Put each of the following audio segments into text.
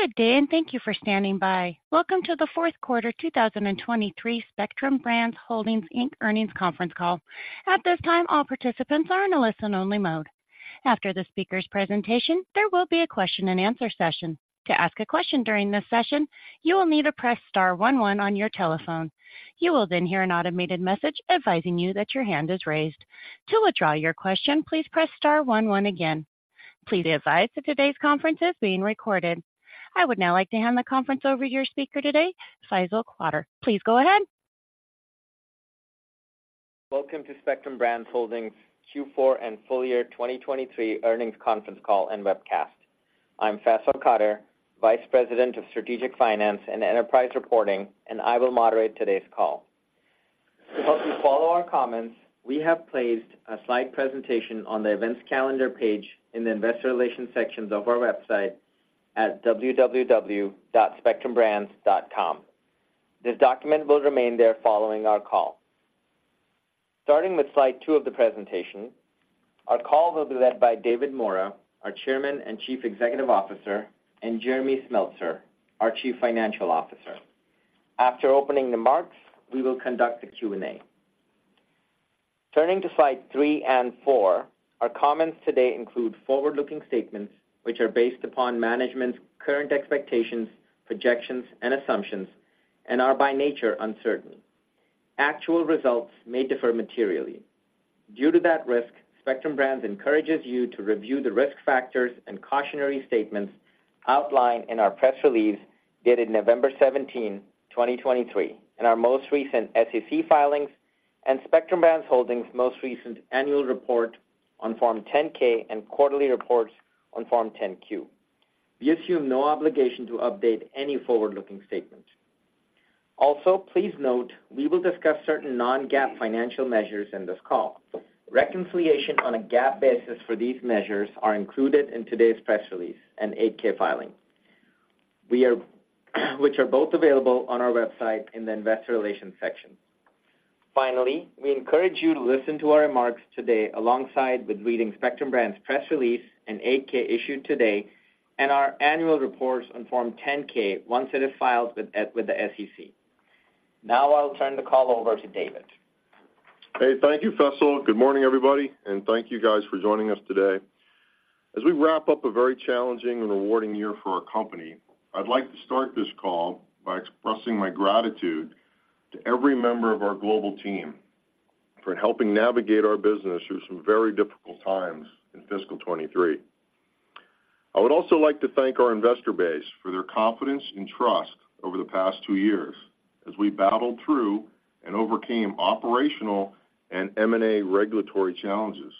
Good day, and thank you for standing by. Welcome to the Q4 2023 Spectrum Brands Holdings, Inc. Earnings Conference Call. At this time, all participants are in a listen-only mode. After the speaker's presentation, there will be a question-and-answer session. To ask a question during this session, you will need to press star one one on your telephone. You will then hear an automated message advising you that your hand is raised. To withdraw your question, please press star one one again. Please be advised that today's conference is being recorded. I would now like to hand the conference over to your speaker today, Faisal Qadir. Please go ahead. Welcome to Spectrum Brands Holdings Q4 and Full Year 2023 Earnings Conference Call and Webcast. I'm Faisal Qadir, Vice President of Strategic Finance and Enterprise Reporting, and I will moderate today's call. To help you follow our comments, we have placed a slide presentation on the events calendar page in the investor relations sections of our website at www.spectrumbrands.com. This document will remain there following our call. Starting with slide two of the presentation, our call will be led by David Maura, our Chairman and Chief Executive Officer, and Jeremy Smeltser, our Chief Financial Officer. After opening remarks, we will conduct a Q&A. Turning to slide three and four, our comments today include forward-looking statements, which are based upon management's current expectations, projections, and assumptions, and are by nature uncertain. Actual results may differ materially. Due to that risk, Spectrum Brands encourages you to review the risk factors and cautionary statements outlined in our press release dated November 17, 2023, and our most recent SEC filings and Spectrum Brands Holdings' most recent annual report on Form 10-K and quarterly reports on Form 10-Q. We assume no obligation to update any forward-looking statements. Also, please note, we will discuss certain non-GAAP financial measures in this call. Reconciliation on a GAAP basis for these measures are included in today's press release and 8-K filing, which are both available on our website in the investor relations section. Finally, we encourage you to listen to our remarks today, alongside with reading Spectrum Brands press release and 8-K issued today and our annual reports on Form 10-K once it is filed with the SEC. Now I'll turn the call over to David. Hey, thank you, Faisal. Good morning, everybody, and thank you guys for joining us today. As we wrap up a very challenging and rewarding year for our company, I'd like to start this call by expressing my gratitude to every member of our global team for helping navigate our business through some very difficult times in fiscal 2023. I would also like to thank our investor base for their confidence and trust over the past two years as we battled through and overcame operational and M&A regulatory challenges.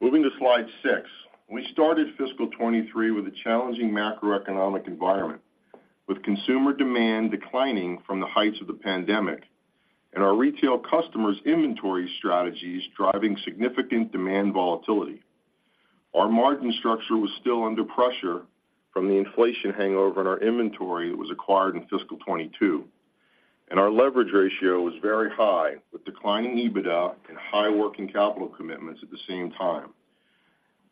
Moving to slide six. We started fiscal 2023 with a challenging macroeconomic environment, with consumer demand declining from the heights of the pandemic and our retail customers' inventory strategies driving significant demand volatility. Our margin structure was still under pressure from the inflation hangover in our inventory that was acquired in fiscal 2022, and our leverage ratio was very high, with declining EBITDA and high working capital commitments at the same time.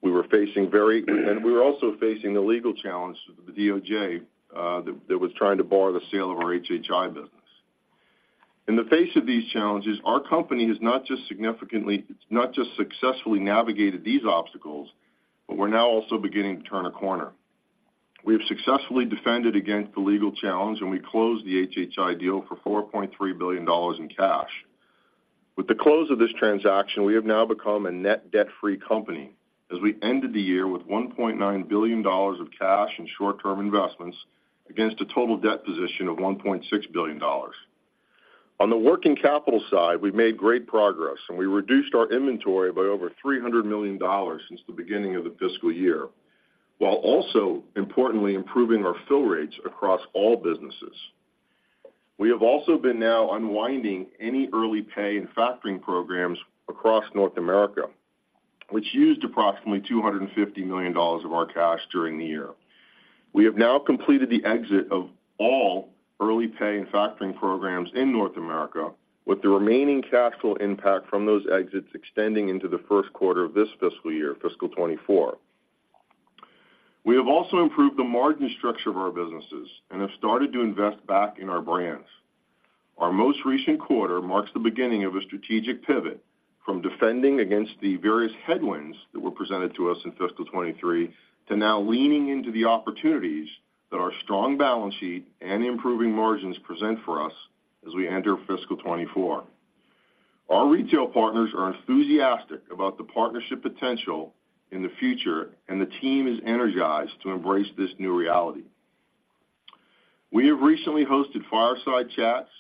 We were facing the legal challenge with the DOJ that was trying to bar the sale of our HHI business. In the face of these challenges, our company has not just successfully navigated these obstacles, but we're now also beginning to turn a corner. We have successfully defended against the legal challenge, and we closed the HHI deal for $4.3 billion in cash. With the close of this transaction, we have now become a net debt-free company, as we ended the year with $1.9 billion of cash and short-term investments against a total debt position of $1.6 billion. On the working capital side, we've made great progress, and we reduced our inventory by over $300 million since the beginning of the fiscal year, while also importantly improving our fill rates across all businesses. We have also been now unwinding any early pay and factoring programs across North America, which used approximately $250 million of our cash during the year. We have now completed the exit of all early pay and factoring programs in North America, with the remaining cash flow impact from those exits extending into the Q1 of this fiscal year, fiscal 2024. We have also improved the margin structure of our businesses and have started to invest back in our brands. Our most recent quarter marks the beginning of a strategic pivot from defending against the various headwinds that were presented to us in fiscal 2023, to now leaning into the opportunities that our strong balance sheet and improving margins present for us as we enter fiscal 2024. Our retail partners are enthusiastic about the partnership potential in the future, and the team is energized to embrace this new reality. We have recently hosted fireside chats,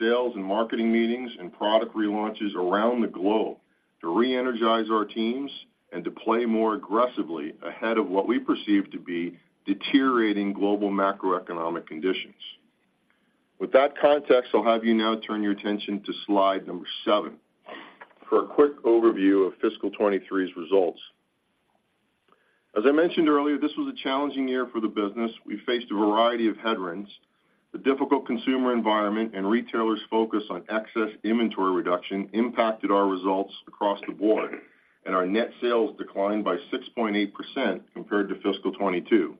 sales and marketing meetings, and product relaunches around the globe to re-energize our teams and to play more aggressively ahead of what we perceive to be deteriorating global macroeconomic conditions. With that context, I'll have you now turn your attention to slide number seven for a quick overview of fiscal 2023's results. As I mentioned earlier, this was a challenging year for the business. We faced a variety of headwinds. The difficult consumer environment and retailers' focus on excess inventory reduction impacted our results across the board, and our net sales declined by 6.8% compared to fiscal 2022.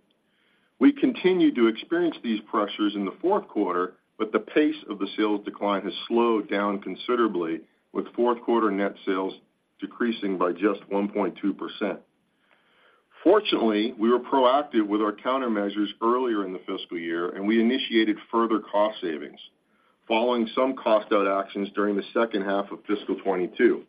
We continued to experience these pressures in the Q4, but the pace of the sales decline has slowed down considerably, with Q4 net sales decreasing by just 1.2%. Fortunately, we were proactive with our countermeasures earlier in the fiscal year, and we initiated further cost savings following some cost-out actions during the H2 of fiscal 2022,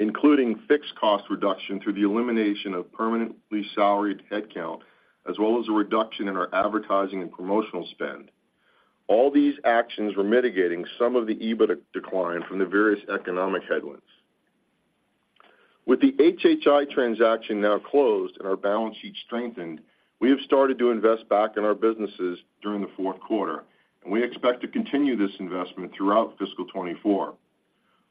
including fixed cost reduction through the elimination of permanently salaried headcount, as well as a reduction in our advertising and promotional spend. All these actions were mitigating some of the EBITDA decline from the various economic headwinds. With the HHI transaction now closed and our balance sheet strengthened, we have started to invest back in our businesses during the Q4, and we expect to continue this investment throughout fiscal 2024.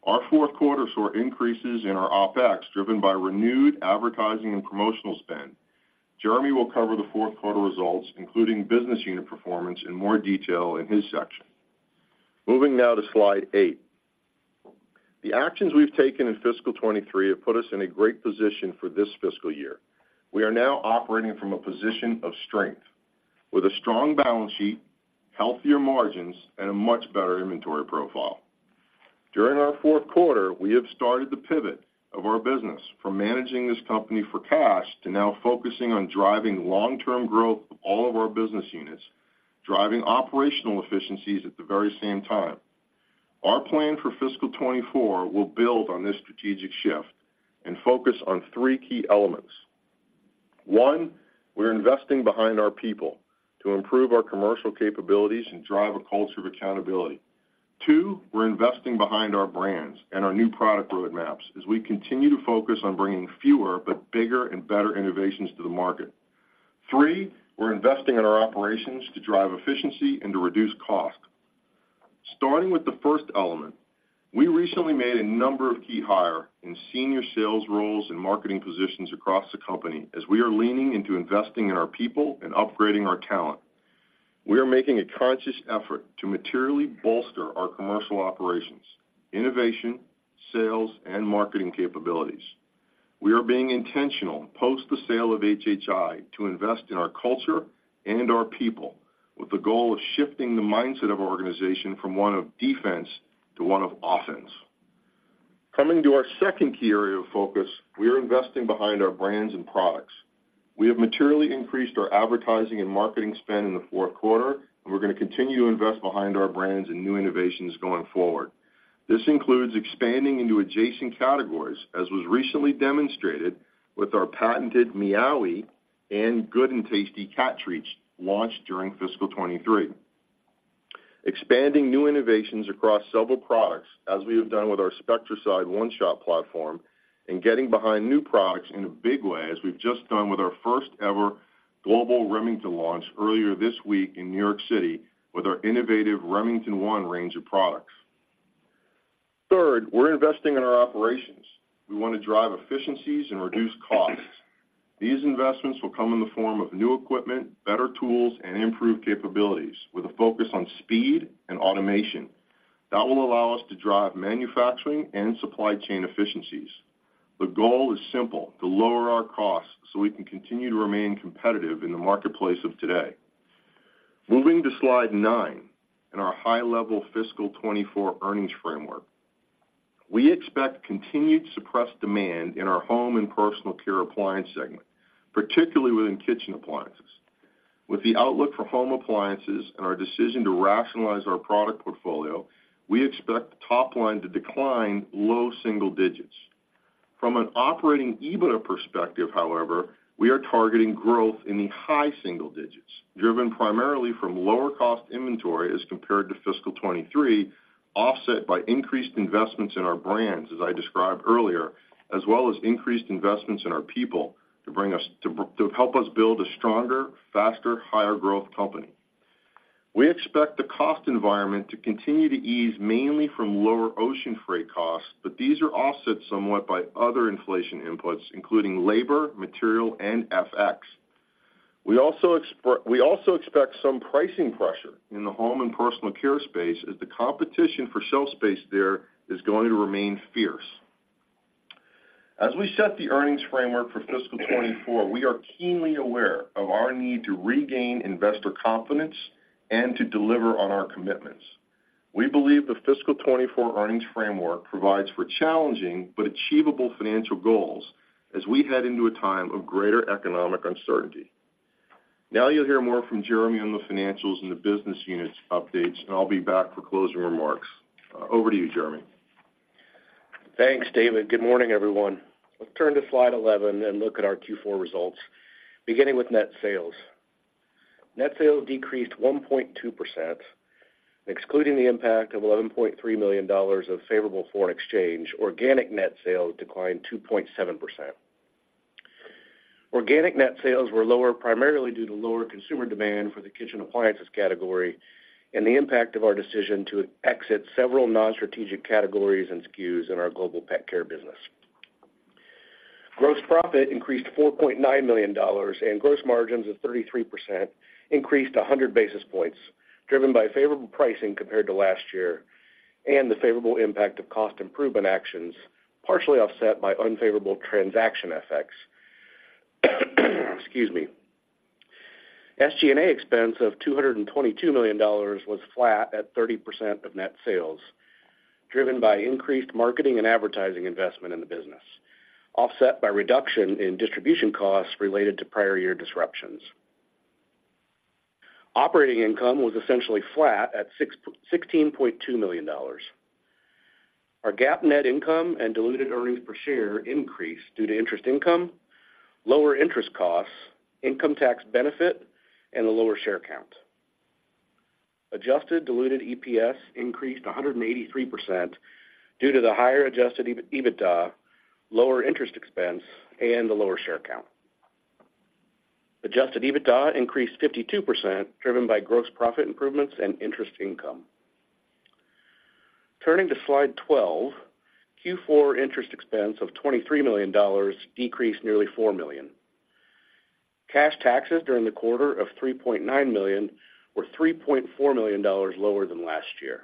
Our Q4 saw increases in our OpEx, driven by renewed advertising and promotional spend. Jeremy will cover the Q4 results, including business unit performance, in more detail in his section. Moving now to Slide eight. The actions we've taken in fiscal 2023 have put us in a great position for this fiscal year. We are now operating from a position of strength, with a strong balance sheet, healthier margins, and a much better inventory profile. During our Q4, we have started the pivot of our business from managing this company for cash to now focusing on driving long-term growth of all of our business units, driving operational efficiencies at the very same time. Our plan for fiscal 2024 will build on this strategic shift and focus on three key elements. One, we're investing behind our people to improve our commercial capabilities and drive a culture of accountability. Two, we're investing behind our brands and our new product roadmaps as we continue to focus on bringing fewer but bigger and better innovations to the market. Three, we're investing in our operations to drive efficiency and to reduce cost. Starting with the first element, we recently made a number of key hires in senior sales roles and marketing positions across the company, as we are leaning into investing in our people and upgrading our talent. We are making a conscious effort to materially bolster our commercial operations, innovation, sales, and marketing capabilities. We are being intentional, post the sale of HHI, to invest in our culture and our people, with the goal of shifting the mindset of our organization from one of defense to one of offense. Coming to our second key area of focus, we are investing behind our brands and products. We have materially increased our advertising and marketing spend in the Q4, and we're gonna continue to invest behind our brands and new innovations going forward. This includes expanding into adjacent categories, as was recently demonstrated with our patented Meowee! and Good 'n' Tasty cat treats launched during fiscal 2023. Expanding new innovations across several products, as we have done with our Spectracide One-Shot platform, and getting behind new products in a big way, as we've just done with our first-ever global Remington launch earlier this week in New York City with our innovative Remington ONE range of products. Third, we're investing in our operations. We want to drive efficiencies and reduce costs. These investments will come in the form of new equipment, better tools, and improved capabilities, with a focus on speed and automation. That will allow us to drive manufacturing and supply chain efficiencies. The goal is simple: to lower our costs so we can continue to remain competitive in the marketplace of today. Moving to slide nine and our high-level fiscal 2024 earnings framework. We expect continued suppressed demand in our home and personal care appliance segment, particularly within kitchen appliances. With the outlook for home appliances and our decision to rationalize our product portfolio, we expect the top line to decline low single digits. From an operating EBITDA perspective, however, we are targeting growth in the high single digits, driven primarily from lower cost inventory as compared to fiscal 2023, offset by increased investments in our brands, as I described earlier, as well as increased investments in our people to help us build a stronger, faster, higher-growth company. We expect the cost environment to continue to ease, mainly from lower ocean freight costs, but these are offset somewhat by other inflation inputs, including labor, material, and FX. We also expect some pricing pressure in the home and personal care space, as the competition for shelf space there is going to remain fierce. As we set the earnings framework for fiscal 2024, we are keenly aware of our need to regain investor confidence and to deliver on our commitments. We believe the fiscal 2024 earnings framework provides for challenging but achievable financial goals as we head into a time of greater economic uncertainty. Now you'll hear more from Jeremy on the financials and the business units updates, and I'll be back for closing remarks. Over to you, Jeremy. Thanks, David. Good morning, everyone. Let's turn to slide 11 and look at our Q4 results, beginning with net sales. Net sales decreased 1.2%. Excluding the impact of $11.3 million of favorable foreign exchange, organic net sales declined 2.7%. Organic net sales were lower, primarily due to lower consumer demand for the kitchen appliances category and the impact of our decision to exit several non-strategic categories and SKUs in our global pet care business. Gross profit increased to $4.9 million, and gross margins of 33% increased 100 basis points, driven by favorable pricing compared to last year and the favorable impact of cost improvement actions, partially offset by unfavorable transaction effects. Excuse me. SG&A expense of $222 million was flat at 30% of net sales, driven by increased marketing and advertising investment in the business, offset by reduction in distribution costs related to prior year disruptions. Operating income was essentially flat at $16.2 million. Our GAAP net income and diluted earnings per share increased due to interest income, lower interest costs, income tax benefit, and a lower share count. Adjusted diluted EPS increased 183% due to the higher adjusted EBITDA, lower interest expense, and the lower share count. Adjusted EBITDA increased 52%, driven by gross profit improvements and interest income. Turning to slide 12, Q4 interest expense of $23 million decreased nearly $4 million. Cash taxes during the quarter of $3.9 million were $3.4 million lower than last year.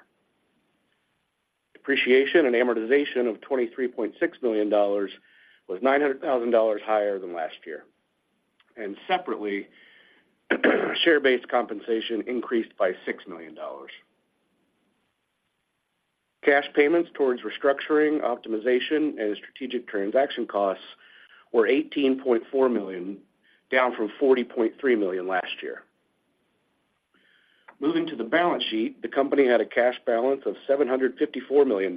Depreciation and amortization of $23.6 million was $900,000 higher than last year, and separately, share-based compensation increased by $6 million. Cash payments towards restructuring, optimization, and strategic transaction costs were $18.4 million, down from $40.3 million last year. Moving to the balance sheet, the company had a cash balance of $754 million,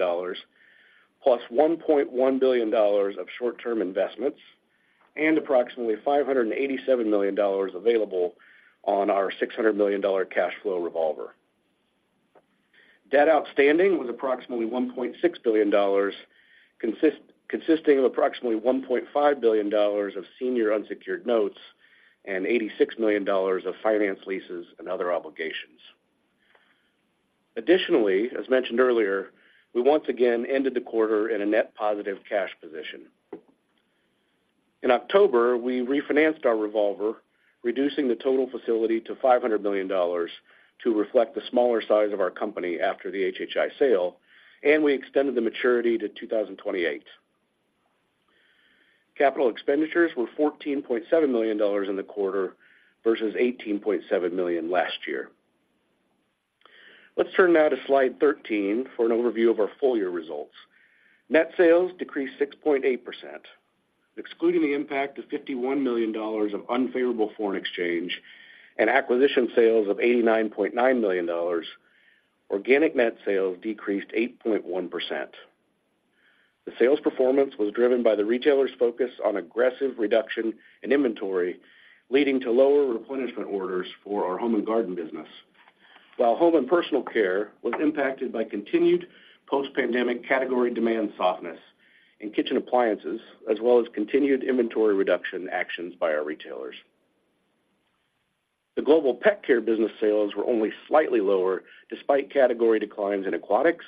plus $1.1 billion of short-term investments, and approximately $587 million available on our $600 million cash flow revolver. Debt outstanding was approximately $1.6 billion, consisting of approximately $1.5 billion of senior unsecured notes and $86 million of finance leases and other obligations. Additionally, as mentioned earlier, we once again ended the quarter in a net positive cash position. In October, we refinanced our revolver, reducing the total facility to $500 million to reflect the smaller size of our company after the HHI sale, and we extended the maturity to 2028. Capital expenditures were $14.7 million in the quarter versus $18.7 million last year. Let's turn now to slide 13 for an overview of our full year results. Net sales decreased 6.8%, excluding the impact of $51 million of unfavorable foreign exchange and acquisition sales of $89.9 million, organic net sales decreased 8.1%. The sales performance was driven by the retailer's focus on aggressive reduction in inventory, leading to lower replenishment orders for our Home & Garden business, while home and personal care was impacted by continued post-pandemic category demand softness in kitchen appliances, as well as continued inventory reduction actions by our retailers. The Global Pet Care business sales were only slightly lower, despite category declines in aquatics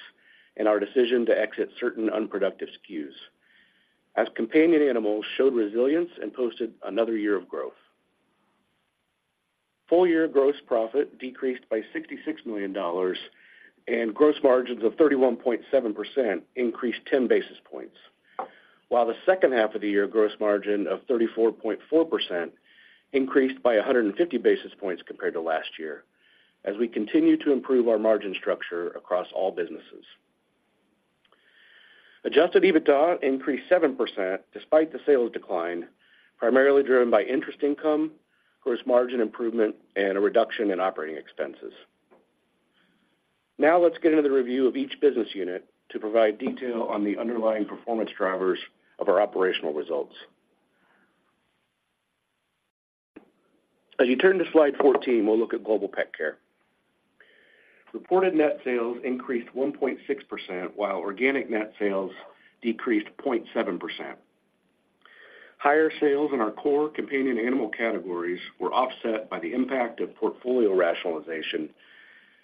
and our decision to exit certain unproductive SKUs, as companion animals showed resilience and posted another year of growth. Full year gross profit decreased by $66 million, and gross margins of 31.7% increased 10 basis points, while the H2 of the year, gross margin of 34.4% increased by 150 basis points compared to last year, as we continue to improve our margin structure across all businesses. Adjusted EBITDA increased 7%, despite the sales decline, primarily driven by interest income, gross margin improvement, and a reduction in operating expenses. Now, let's get into the review of each business unit to provide detail on the underlying performance drivers of our operational results. As you turn to slide 14, we'll look at Global Pet Care. Reported net sales increased 1.6%, while organic net sales decreased 0.7%. Higher sales in our core companion animal categories were offset by the impact of portfolio rationalization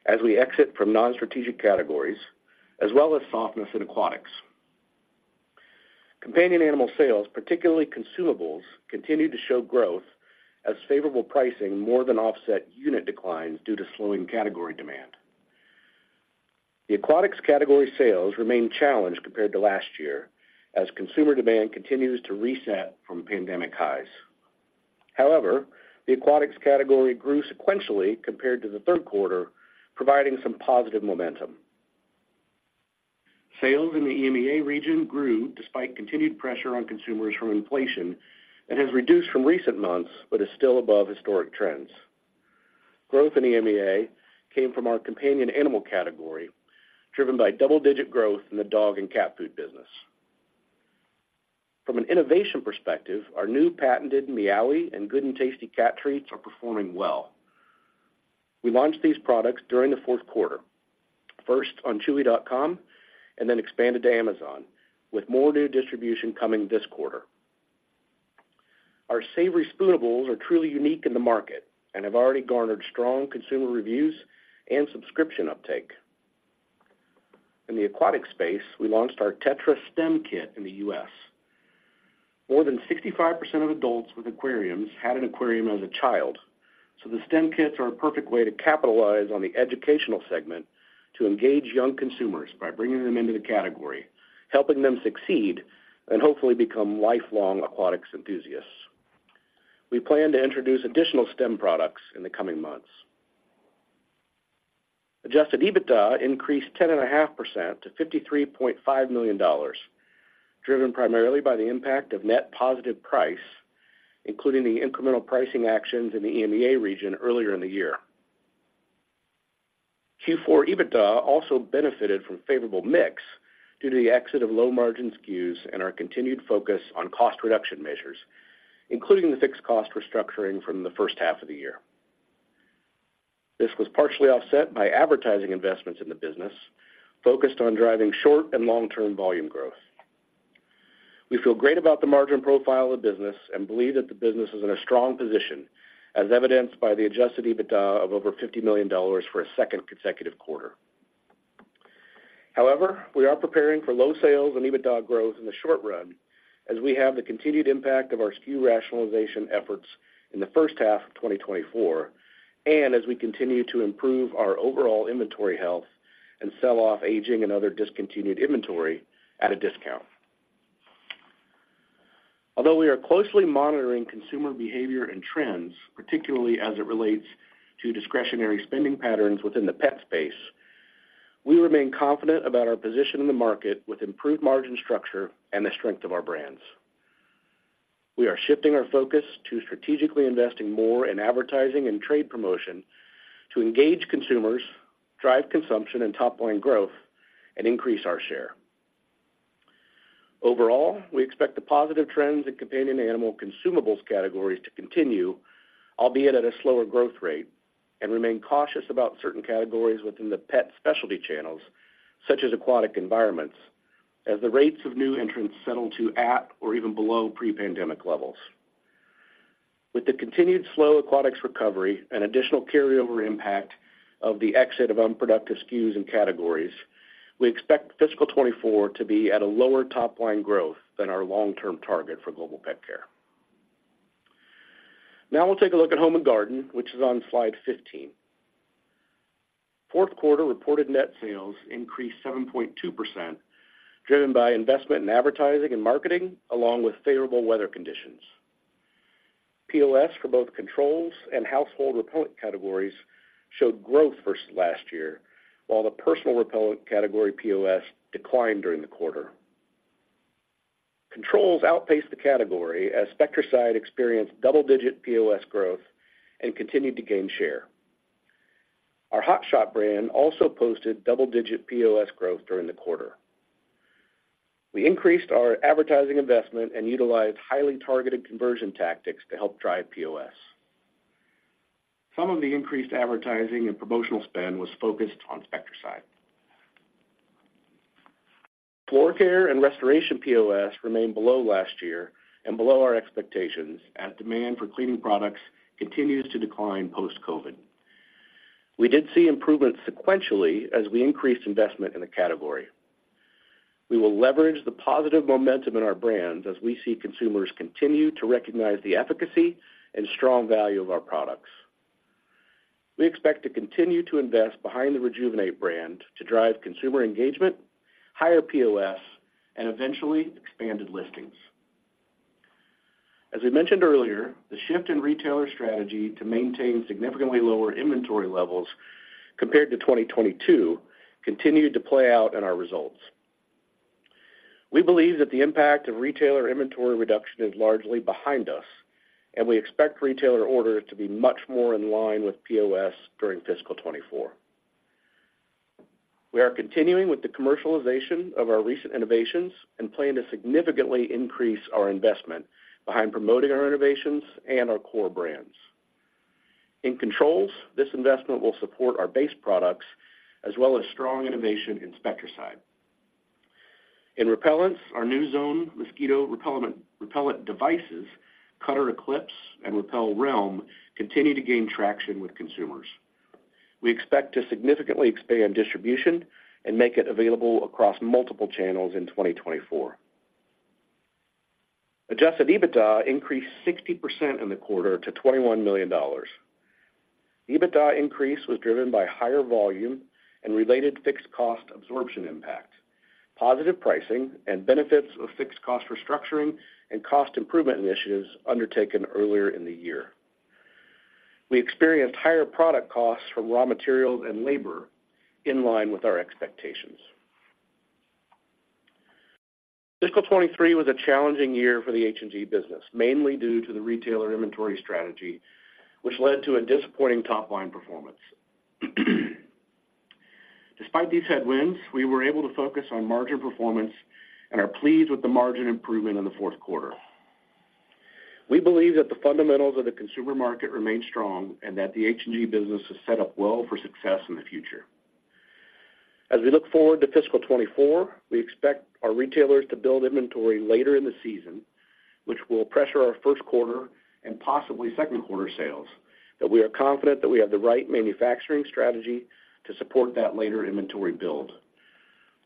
as we exit from non-strategic categories, as well as softness in aquatics. Companion animal sales, particularly consumables, continued to show growth as favorable pricing more than offset unit declines due to slowing category demand. The aquatics category sales remained challenged compared to last year, as consumer demand continues to reset from pandemic highs. However, the aquatics category grew sequentially compared to the Q3, providing some positive momentum. Sales in the EMEA region grew despite continued pressure on consumers from inflation and has reduced from recent months, but is still above historic trends. Growth in EMEA came from our companion animal category, driven by double-digit growth in the dog and cat food business. From an innovation perspective, our new patented Meowee! and Good 'n' Tasty cat treats are performing well. We launched these products during the Q4, first on Chewy.com, and then expanded to Amazon, with more new distribution coming this quarter. Our Savory Spoonables are truly unique in the market and have already garnered strong consumer reviews and subscription uptake. In the aquatic space, we launched our Tetra STEM kit in the U.S. More than 65% of adults with aquariums had an aquarium as a child, so the STEM kits are a perfect way to capitalize on the educational segment to engage young consumers by bringing them into the category, helping them succeed, and hopefully become lifelong aquatics enthusiasts. We plan to introduce additional STEM products in the coming months. Adjusted EBITDA increased 10.5% to $53.5 million, driven primarily by the impact of net positive price, including the incremental pricing actions in the EMEA region earlier in the year. Q4 EBITDA also benefited from favorable mix due to the exit of low-margin SKUs and our continued focus on cost reduction measures, including the fixed cost restructuring from the H1 of the year. This was partially offset by advertising investments in the business, focused on driving short and long-term volume growth. We feel great about the margin profile of the business and believe that the business is in a strong position, as evidenced by the adjusted EBITDA of over $50 million for a second consecutive quarter. However, we are preparing for low sales and EBITDA growth in the short run, as we have the continued impact of our SKU rationalization efforts in the H1 of 2024, and as we continue to improve our overall inventory health and sell off aging and other discontinued inventory at a discount. Although we are closely monitoring consumer behavior and trends, particularly as it relates to discretionary spending patterns within the pet space, we remain confident about our position in the market with improved margin structure and the strength of our brands. We are shifting our focus to strategically investing more in advertising and trade promotion to engage consumers, drive consumption and top-line growth, and increase our share. Overall, we expect the positive trends in companion animal consumables categories to continue, albeit at a slower growth rate, and remain cautious about certain categories within the pet specialty channels, such as aquatic environments, as the rates of new entrants settle to at or even below pre-pandemic levels. With the continued slow aquatics recovery and additional carryover impact of the exit of unproductive SKUs and categories, we expect fiscal 2024 to be at a lower top-line growth than our long-term target for Global Pet Care. Now we'll take a look at Home & Garden, which is on slide 15. Q4 reported net sales increased 7.2%, driven by investment in advertising and marketing, along with favorable weather conditions. POS for both controls and household repellent categories showed growth versus last year, while the personal repellent category POS declined during the quarter. Controls outpaced the category as Spectracide experienced double-digit POS growth and continued to gain share. Our Hot Shot brand also posted double-digit POS growth during the quarter. We increased our advertising investment and utilized highly targeted conversion tactics to help drive POS. Some of the increased advertising and promotional spend was focused on Spectracide. Floor care and restoration POS remained below last year and below our expectations, as demand for cleaning products continues to decline post-COVID. We did see improvements sequentially as we increased investment in the category. We will leverage the positive momentum in our brands as we see consumers continue to recognize the efficacy and strong value of our products. We expect to continue to invest behind the Rejuvenate brand to drive consumer engagement, higher POS, and eventually expanded listings. As I mentioned earlier, the shift in retailer strategy to maintain significantly lower inventory levels compared to 2022 continued to play out in our results. We believe that the impact of retailer inventory reduction is largely behind us, and we expect retailer orders to be much more in line with POS during fiscal 2024. We are continuing with the commercialization of our recent innovations and plan to significantly increase our investment behind promoting our innovations and our core brands. In controls, this investment will support our base products as well as strong innovation in Spectracide. In repellents, our new Zone mosquito repellent, repellent devices, Cutter Eclipse, and Repel Realm continue to gain traction with consumers. We expect to significantly expand distribution and make it available across multiple channels in 2024. Adjusted EBITDA increased 60% in the quarter to $21 million. EBITDA increase was driven by higher volume and related fixed cost absorption impact, positive pricing, and benefits of fixed cost restructuring and cost improvement initiatives undertaken earlier in the year. We experienced higher product costs for raw materials and labor in line with our expectations. Fiscal 2023 was a challenging year for the H&G business, mainly due to the retailer inventory strategy, which led to a disappointing top-line performance. Despite these headwinds, we were able to focus on margin performance and are pleased with the margin improvement in the Q4. We believe that the fundamentals of the consumer market remain strong and that the H&G business is set up well for success in the future. As we look forward to fiscal 2024, we expect our retailers to build inventory later in the season, which will pressure our Q1 and possibly Q2 sales, but we are confident that we have the right manufacturing strategy to support that later inventory build.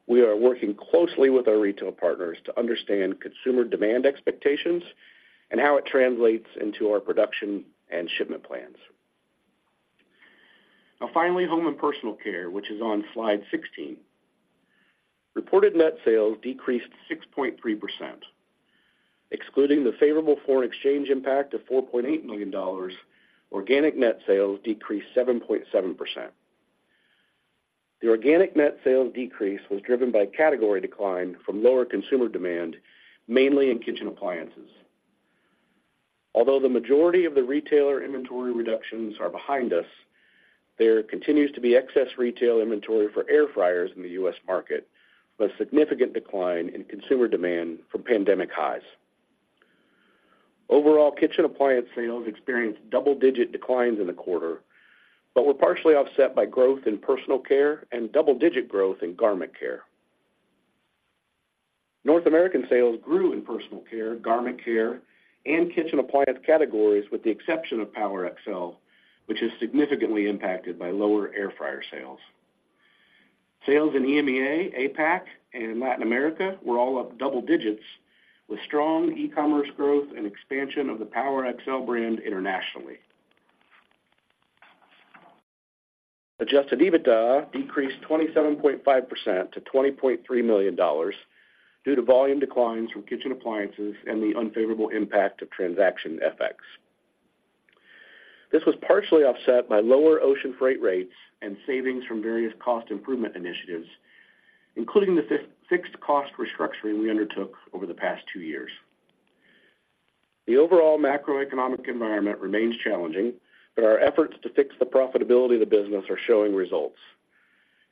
We are working closely with our retail partners to understand consumer demand expectations and how it translates into our production and shipment plans. Now, finally, Home & Personal Care, which is on slide 16. Reported net sales decreased 6.3%. Excluding the favorable foreign exchange impact of $4.8 million, organic net sales decreased 7.7%. The organic net sales decrease was driven by category decline from lower consumer demand, mainly in kitchen appliances. Although the majority of the retailer inventory reductions are behind us, there continues to be excess retail inventory for air fryers in the U.S. market, with a significant decline in consumer demand from pandemic highs. Overall, kitchen appliance sales experienced double-digit declines in the quarter, but were partially offset by growth in personal care and double-digit growth in garment care. North American sales grew in personal care, garment care, and kitchen appliance categories, with the exception of PowerXL, which is significantly impacted by lower air fryer sales. Sales in EMEA, APAC, and Latin America were all up double digits, with strong e-commerce growth and expansion of the PowerXL brand internationally. Adjusted EBITDA decreased 27.5% to $20.3 million due to volume declines from kitchen appliances and the unfavorable impact of transaction FX. This was partially offset by lower ocean freight rates and savings from various cost improvement initiatives, including the fixed cost restructuring we undertook over the past two years. The overall macroeconomic environment remains challenging, but our efforts to fix the profitability of the business are showing results.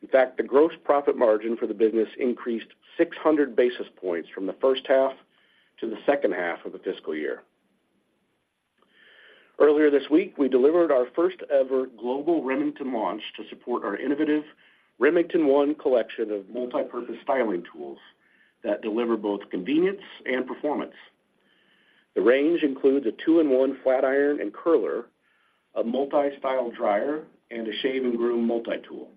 In fact, the gross profit margin for the business increased 600 basis points from the H1 to the H2 of the fiscal year. Earlier this week, we delivered our first-ever global Remington launch to support our innovative Remington One collection of multipurpose styling tools that deliver both convenience and performance. The range includes a two-in-one flat iron and curler, a multi-style dryer, and a shave and groom multi-tool.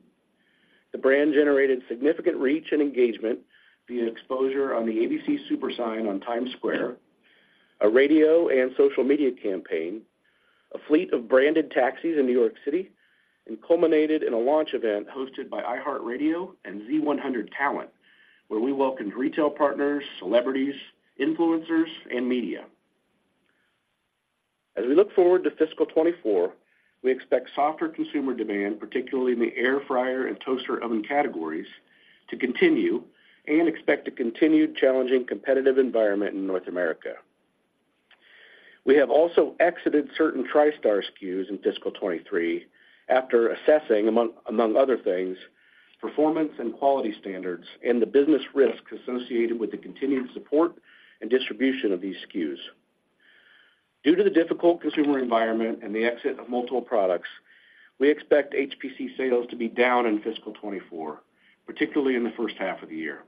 The brand generated significant reach and engagement via exposure on the ABC Super Sign on Times Square, a radio and social media campaign, a fleet of branded taxis in New York City, and culminated in a launch event hosted by iHeartRadio and Z100 Talent, where we welcomed retail partners, celebrities, influencers, and media. As we look forward to fiscal 2024, we expect softer consumer demand, particularly in the air fryer and toaster oven categories, to continue and expect a continued challenging competitive environment in North America. We have also exited certain Tristar SKUs in fiscal 2023 after assessing, among other things, performance and quality standards and the business risks associated with the continued support and distribution of these SKUs. Due to the difficult consumer environment and the exit of multiple products, we expect HPC sales to be down in fiscal 2024, particularly in the H1 of the year.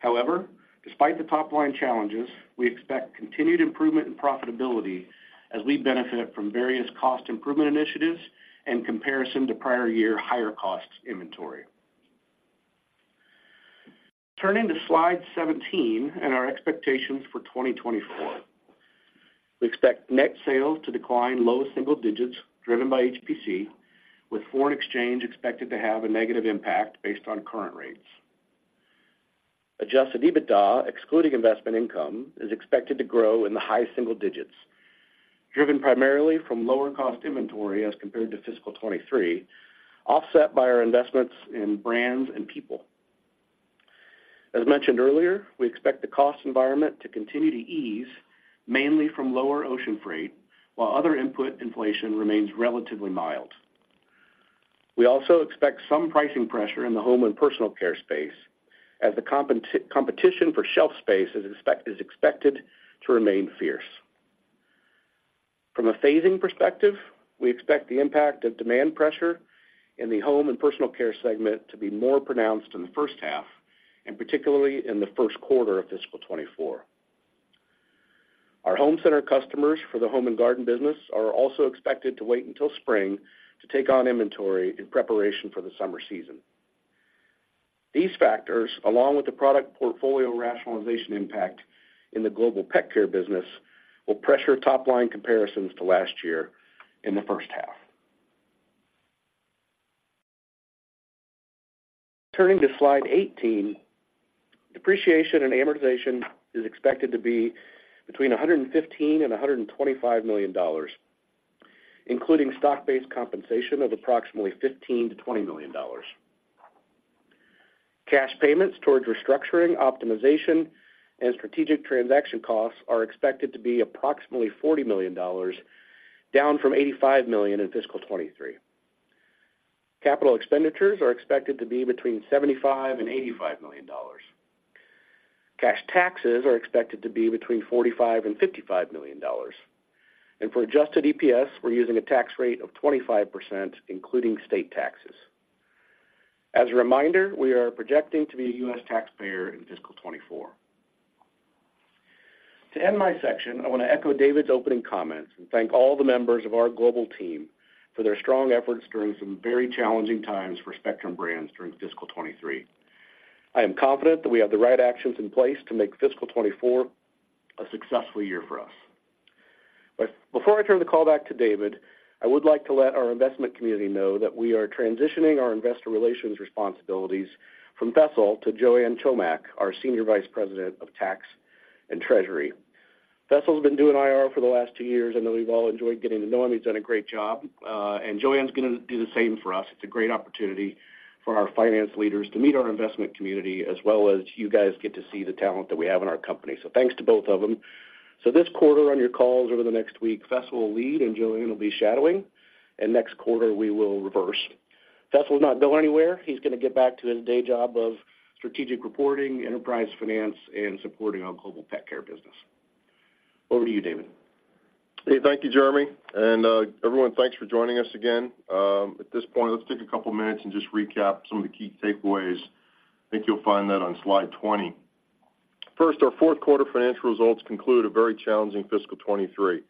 However, despite the top-line challenges, we expect continued improvement in profitability as we benefit from various cost improvement initiatives and comparison to prior-year higher-cost inventory. Turning to slide 17 and our expectations for 2024. We expect net sales to decline low single digits, driven by HPC, with foreign exchange expected to have a negative impact based on current rates. Adjusted EBITDA, excluding investment income, is expected to grow in the high single digits, driven primarily from lower-cost inventory as compared to fiscal 2023, offset by our investments in brands and people. As mentioned earlier, we expect the cost environment to continue to ease, mainly from lower ocean freight, while other input inflation remains relatively mild. We also expect some pricing pressure in the home and personal care space as the competition for shelf space is expected to remain fierce. From a phasing perspective, we expect the impact of demand pressure in the home and personal care segment to be more pronounced in the H1, and particularly in the Q1 of fiscal 2024. Our home center customers for the Home & Garden business are also expected to wait until spring to take on inventory in preparation for the summer season. These factors, along with the product portfolio rationalization impact in the global pet care business, will pressure top-line comparisons to last year in the H1. Turning to slide 18, depreciation and amortization is expected to be between $115 million and $125 million, including stock-based compensation of approximately $15 to $20 million. Cash payments towards restructuring, optimization, and strategic transaction costs are expected to be approximately $40 million, down from $85 million in fiscal 2023. Capital expenditures are expected to be between $75 million and $85 million. Cash taxes are expected to be between $45 million and $55 million. For adjusted EPS, we're using a tax rate of 25%, including state taxes. As a reminder, we are projecting to be a U.S. taxpayer in fiscal 2024. To end my section, I wanna echo David's opening comments and thank all the members of our global team for their strong efforts during some very challenging times for Spectrum Brands during fiscal 2023. I am confident that we have the right actions in place to make fiscal 2024 a successful year for us. Before I turn the call back to David, I would like to let our investment community know that we are transitioning our investor relations responsibilities from Faisal to Joanne Chomiak, our Senior Vice President of Tax and Treasury. Faisal's been doing IR for the last two years. I know we've all enjoyed getting to know him. He's done a great job, and Joanne's gonna do the same for us. It's a great opportunity for our finance leaders to meet our investment community, as well as you guys get to see the talent that we have in our company. So thanks to both of them. So this quarter, on your calls over the next week, Faisal will lead, and Joanne will be shadowing, and next quarter, we will reverse. Faisal's not going anywhere. He's gonna get back to his day job of strategic reporting, enterprise finance, and supporting our global pet care business. Over to you, David. Hey, thank you, Jeremy, and everyone, thanks for joining us again. At this point, let's take a couple of minutes and just recap some of the key takeaways. I think you'll find that on slide 20. First, our Q4 financial results conclude a very challenging fiscal 2023.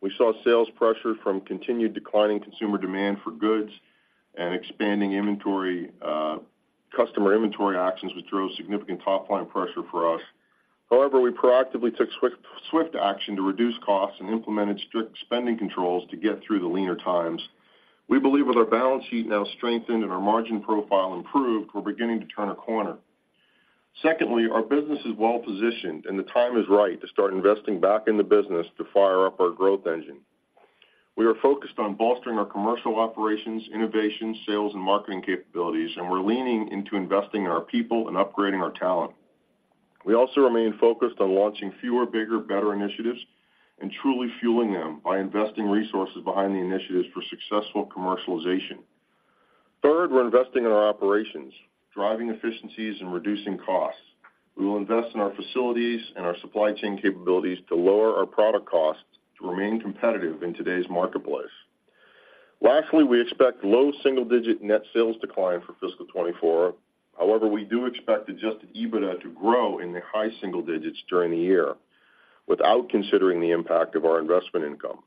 We saw sales pressure from continued declining consumer demand for goods and expanding inventory, customer inventory actions, which drove significant top-line pressure for us. However, we proactively took swift, swift action to reduce costs and implemented strict spending controls to get through the leaner times. We believe with our balance sheet now strengthened and our margin profile improved, we're beginning to turn a corner. Secondly, our business is well-positioned, and the time is right to start investing back in the business to fire up our growth engine. We are focused on bolstering our commercial operations, innovation, sales, and marketing capabilities, and we're leaning into investing in our people and upgrading our talent. We also remain focused on launching fewer, bigger, better initiatives and truly fueling them by investing resources behind the initiatives for successful commercialization. Third, we're investing in our operations, driving efficiencies, and reducing costs. We will invest in our facilities and our supply chain capabilities to lower our product costs to remain competitive in today's marketplace. Lastly, we expect low single-digit net sales decline for fiscal 2024. However, we do expect Adjusted EBITDA to grow in the high single digits during the year, without considering the impact of our investment income.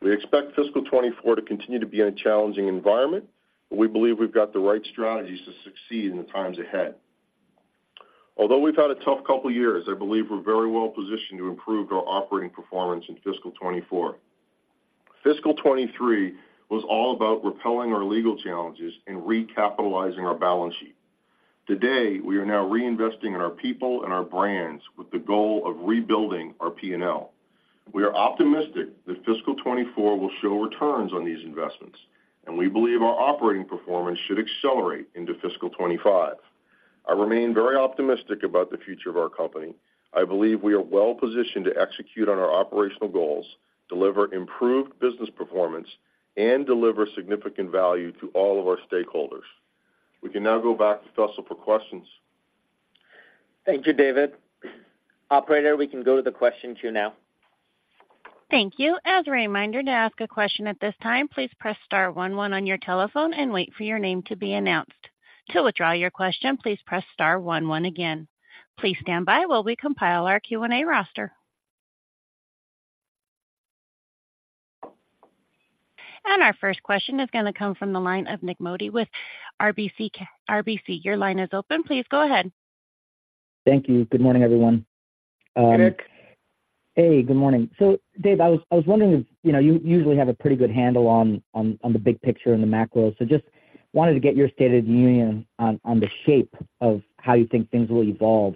We expect fiscal 2024 to continue to be in a challenging environment, but we believe we've got the right strategies to succeed in the times ahead. Although we've had a tough couple of years, I believe we're very well positioned to improve our operating performance in fiscal 2024. Fiscal 2023 was all about repelling our legal challenges and recapitalizing our balance sheet. Today, we are now reinvesting in our people and our brands with the goal of rebuilding our P&L. We are optimistic that fiscal 2024 will show returns on these investments, and we believe our operating performance should accelerate into fiscal 2025. I remain very optimistic about the future of our company. I believe we are well-positioned to execute on our operational goals, deliver improved business performance, and deliver significant value to all of our stakeholders. We can now go back to Faisal for questions. Thank you, David. Operator, we can go to the questions queue now. Thank you. As a reminder, to ask a question at this time, please press star one one on your telephone and wait for your name to be announced. To withdraw your question, please press star one one again. Please stand by while we compile our Q&A roster. Our first question is gonna come from the line of Nik Modi with RBC. Your line is open. Please go ahead. Thank you. Good morning, everyone. Nik. Hey, good morning. So Dave, I was wondering if, you know, you usually have a pretty good handle on the big picture and the macro, so just wanted to get your state of the union on the shape of how you think things will evolve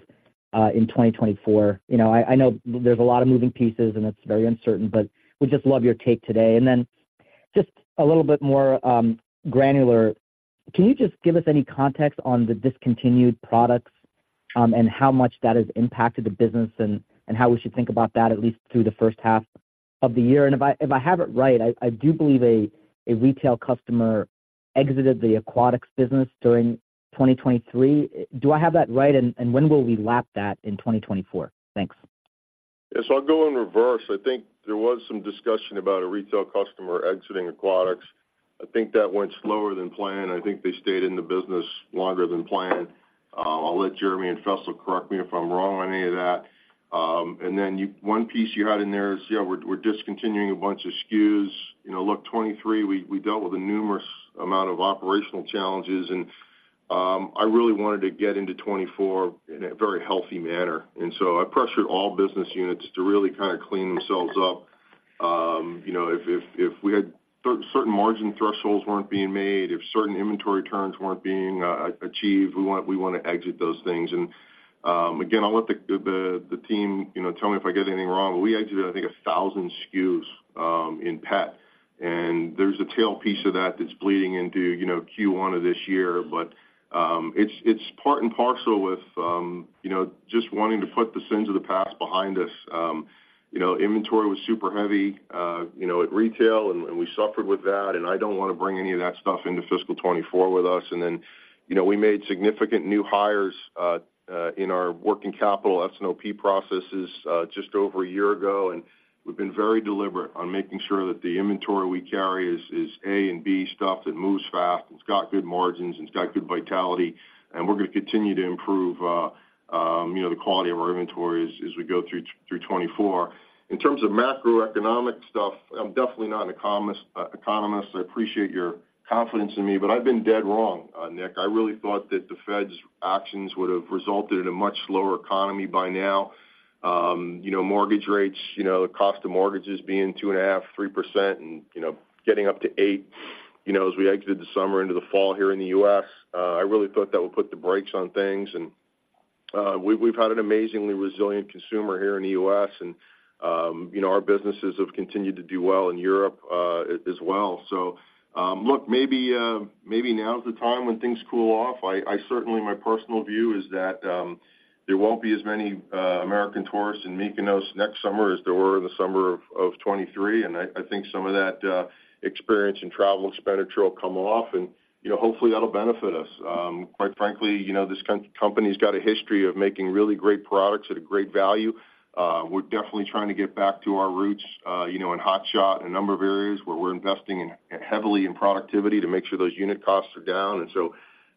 in 2024. You know, I know there's a lot of moving pieces, and it's very uncertain, but we just love your take today. And then just a little bit more granular, can you just give us any context on the discontinued products and how much that has impacted the business and how we should think about that, at least through the H1 of the year? And if I have it right, I do believe a retail customer exited the aquatics business during 2023. Do I have that right, and, and when will we lap that in 2024? Thanks. Yes, I'll go in reverse. I think there was some discussion about a retail customer exiting aquatics. I think that went slower than planned. I think they stayed in the business longer than planned. I'll let Jeremy and Faisal correct me if I'm wrong on any of that. And then you, one piece you had in there is, yeah, we're, we're discontinuing a bunch of SKUs. You know, look, 2023, we, we dealt with a numerous amount of operational challenges, and I really wanted to get into 2024 in a very healthy manner, and so I pressured all business units to really kind of clean themselves up. You know, if, if, if we had certain margin thresholds weren't being made, if certain inventory turns weren't being achieved, we want, we wanna exit those things. Again, I'll let the team, you know, tell me if I get anything wrong, but we exited, I think, 1,000 SKUs in pet, and there's a tail piece of that that's bleeding into, you know, Q1 of this year. But it's part and parcel with you know, just wanting to put the sins of the past behind us. You know, inventory was super heavy at retail, and we suffered with that, and I don't wanna bring any of that stuff into fiscal 2024 with us. And then, you know, we made significant new hires in our working capital, S&OP processes just over a year ago, and we've been very deliberate on making sure that the inventory we carry is A and B stuff that moves fast. It's got good margins, and it's got good vitality, and we're gonna continue to improve, you know, the quality of our inventory as we go through 2024. In terms of macroeconomic stuff, I'm definitely not an economist. I appreciate your confidence in me, but I've been dead wrong, Nik. I really thought that the Fed's actions would have resulted in a much slower economy by now. You know, mortgage rates, you know, the cost of mortgages being 2.5% to 3%, and, you know, getting up to 8%, you know, as we exited the summer into the fall here in the U.S. I really thought that would put the brakes on things and we've had an amazingly resilient consumer here in the U.S., and, you know, our businesses have continued to do well in Europe, as well. So, look, maybe, maybe now is the time when things cool off. My personal view is that, there won't be as many, American tourists in Mykonos next summer as there were in the summer of 2023, and I think some of that, experience and travel expenditure will come off, and, you know, hopefully, that'll benefit us. Quite frankly, you know, this company's got a history of making really great products at a great value. We're definitely trying to get back to our roots, you know, in Hot Shot, a number of areas where we're investing heavily in productivity to make sure those unit costs are down. And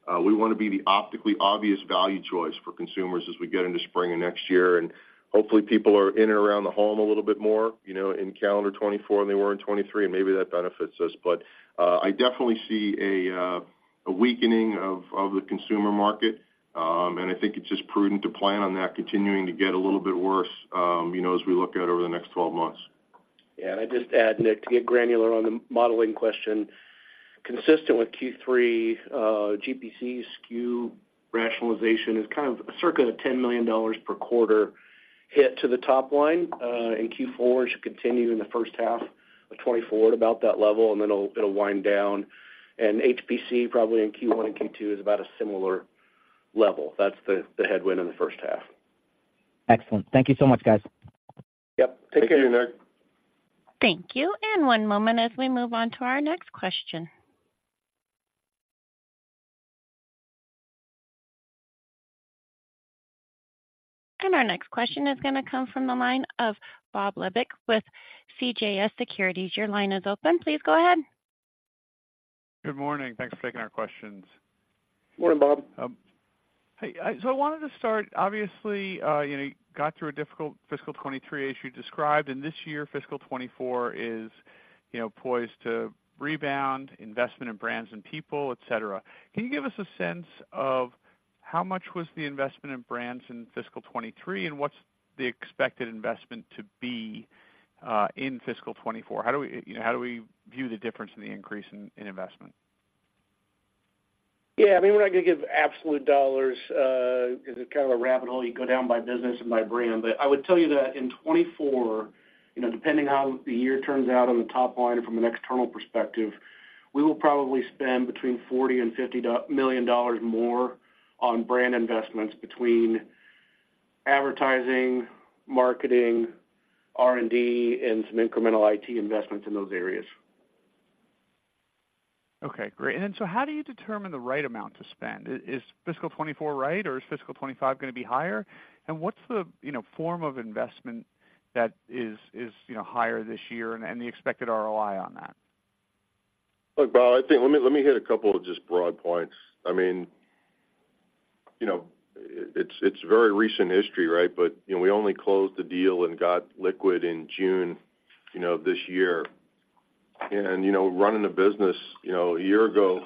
so, we wanna be the optically obvious value choice for consumers as we get into spring and next year. And hopefully, people are in and around the home a little bit more, you know, in calendar 2024 than they were in 2023, and maybe that benefits us. But I definitely see a weakening of the consumer market, and I think it's just prudent to plan on that continuing to get a little bit worse, you know, as we look out over the next 12 months. Yeah, and I'd just add, Nik, to get granular on the modeling question, consistent with Q3, GPC SKU rationalization is kind of circa $10 million per quarter hit to the top line in Q4. It should continue in the H1 of 2024 at about that level, and then it'll wind down. And HPC, probably in Q1 and Q2, is about a similar level. That's the headwind in the H1. Excellent. Thank you so much, guys. Yep. Take care. Thank you, Nik. Thank you. One moment as we move on to our next question. Our next question is gonna come from the line of Bob Labick with CJS Securities. Your line is open. Please go ahead. Good morning. Thanks for taking our questions. Morning, Bob. Hey, so I wanted to start, obviously, you know, you got through a difficult fiscal 2023, as you described, and this year, fiscal 2024 is, you know, poised to rebound, investment in brands and people, et cetera. Can you give us a sense of how much was the investment in brands in fiscal 2023, and what's the expected investment to be in fiscal 2024? How do we, you know, how do we view the difference in the increase in investment? Yeah, I mean, we're not gonna give absolute dollars, because it's kind of a rabbit hole. You go down by business and by brand. But I would tell you that in 2024, you know, depending on how the year turns out on the top line or from an external perspective, we will probably spend between $40 million and $50 million more on brand investments between advertising, marketing, R&D, and some incremental IT investments in those areas. Okay, great. And then, so how do you determine the right amount to spend? Is fiscal 2024 right, or is fiscal 2025 gonna be higher? And what's the, you know, form of investment that is, you know, higher this year and the expected ROI on that? Look, Bob, let me hit a couple of just broad points. I mean, you know, it's very recent history, right? But, you know, we only closed the deal and got liquid in June, you know, this year. And, you know, running a business, you know, a year ago,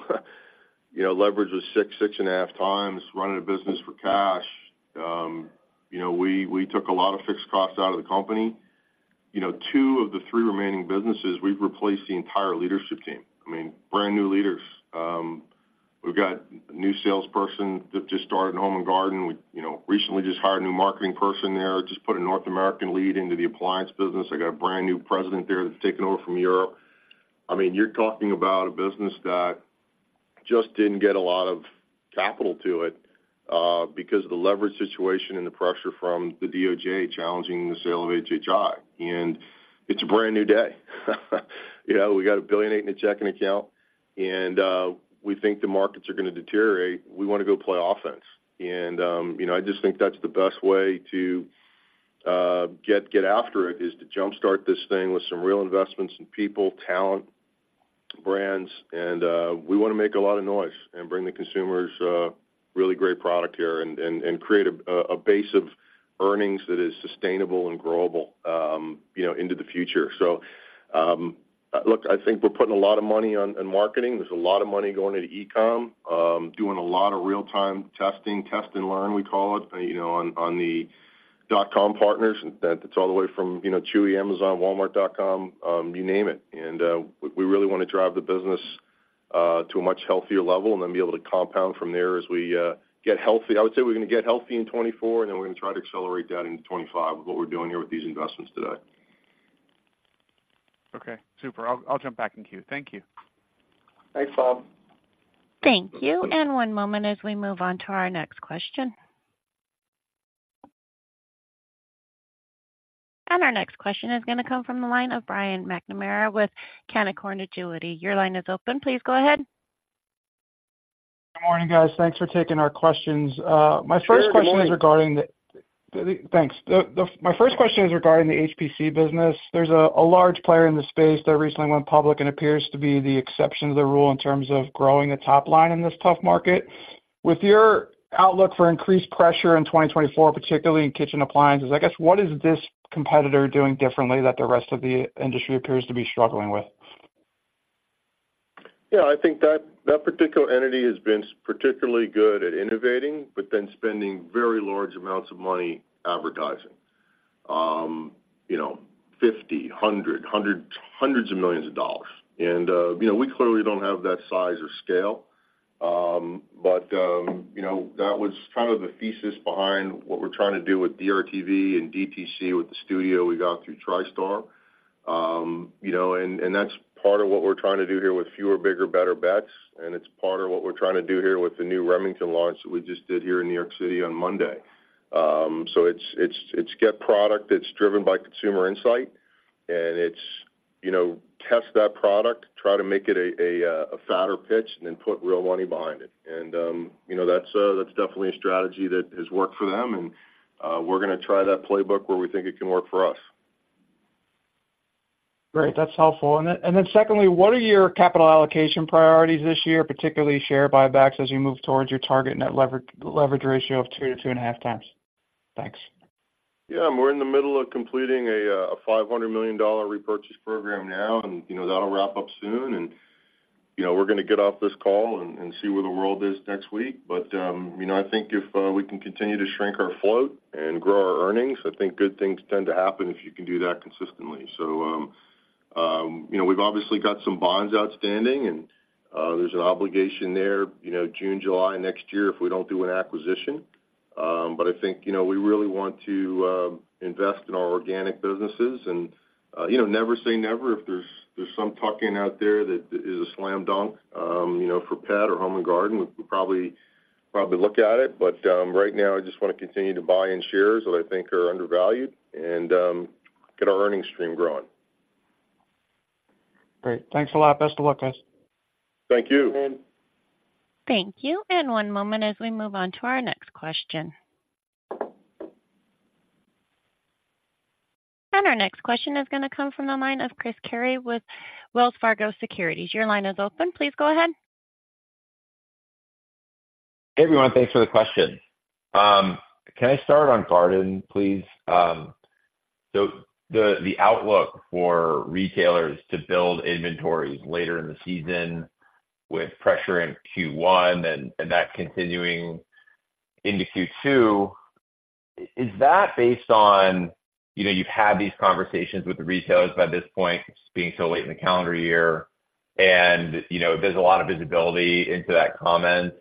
you know, leverage was 6 and 6.5x, running a business for cash. You know, we took a lot of fixed costs out of the company. You know, two of the three remaining businesses, we've replaced the entire leadership team. I mean, brand new leaders. We've got a new salesperson that just started in home and garden. We, you know, recently just hired a new marketing person there, just put a North American lead into the appliance business. I got a brand new president there that's taking over from Europe. I mean, you're talking about a business that just didn't get a lot of capital to it because of the leverage situation and the pressure from the DOJ challenging the sale of HHI. And it's a brand new day. You know, we got $1.8 billion in a checking account, and we think the markets are gonna deteriorate. We wanna go play offense. And you know, I just think that's the best way to get after it, is to jumpstart this thing with some real investments in people, talent, brands. And we wanna make a lot of noise and bring the consumers really great product here and create a base of earnings that is sustainable and growable, you know, into the future. So look, I think we're putting a lot of money in marketing. There's a lot of money going into e-com, doing a lot of real-time testing, test and learn, we call it, you know, on the dotcom partners. That's all the way from, you know, Chewy, Amazon, Walmart.com, you name it. And we really wanna drive the business to a much healthier level and then be able to compound from there as we get healthy. I would say we're gonna get healthy in 2024, and then we're gonna try to accelerate that into 2025 with what we're doing here with these investments today. Okay, super. I'll jump back in queue. Thank you. Thanks, Bob. Thank you. And one moment as we move on to our next question. And our next question is gonna come from the line of Brian McNamara with Canaccord Genuity. Your line is open. Please go ahead. Good morning, guys. Thanks for taking our questions. My first question is regarding the HPC business. There's a large player in the space that recently went public and appears to be the exception to the rule in terms of growing a top line in this tough market. With your outlook for increased pressure in 2024, particularly in kitchen appliances, I guess, what is this competitor doing differently that the rest of the industry appears to be struggling with? Yeah, I think that particular entity has been particularly good at innovating, but then spending very large amounts of money advertising. You know, $50 million, $100 million, hundreds of millions of dollars. And, you know, we clearly don't have that size or scale. But, you know, that was kind of the thesis behind what we're trying to do with DRTV and DTC, with the studio we got through Tristar. You know, and, and that's part of what we're trying to do here with fewer, bigger, better bets, and it's part of what we're trying to do here with the new Remington launch that we just did here in New York City on Monday. So it's a great product that's driven by consumer insight, and, you know, test that product, try to make it a fatter pitch and then put real money behind it. You know, that's definitely a strategy that has worked for them, and we're gonna try that playbook where we think it can work for us. Great. That's helpful. And then, and then secondly, what are your capital allocation priorities this year, particularly share buybacks, as you move towards your target net leverage ratio of 2 to 2.5x? Thanks. Yeah, we're in the middle of completing a $500 million repurchase program now, and, you know, that'll wrap up soon. And, you know, we're gonna get off this call and see where the world is next week. But, you know, I think if we can continue to shrink our float and grow our earnings, I think good things tend to happen if you can do that consistently. So, you know, we've obviously got some bonds outstanding, and there's an obligation there, you know, June, July next year if we don't do an acquisition. But I think, you know, we really want to invest in our organic businesses and, you know, never say never if there's some talking out there that is a slam dunk, you know, for Pet or Home & Garden. We'll probably look at it. But right now, I just wanna continue to buy in shares that I think are undervalued and get our earnings stream growing. Great. Thanks a lot. Best of luck, guys. Thank you. Thank you, and one moment as we move on to our next question. Our next question is gonna come from the line of Chris Carey with Wells Fargo Securities. Your line is open. Please go ahead. Hey, everyone. Thanks for the question. Can I start on garden, please? So the outlook for retailers to build inventories later in the season with pressure in Q1 and that continuing into Q2, is that based on, you know, you've had these conversations with the retailers by this point, just being so late in the calendar year, and, you know, there's a lot of visibility into that comment?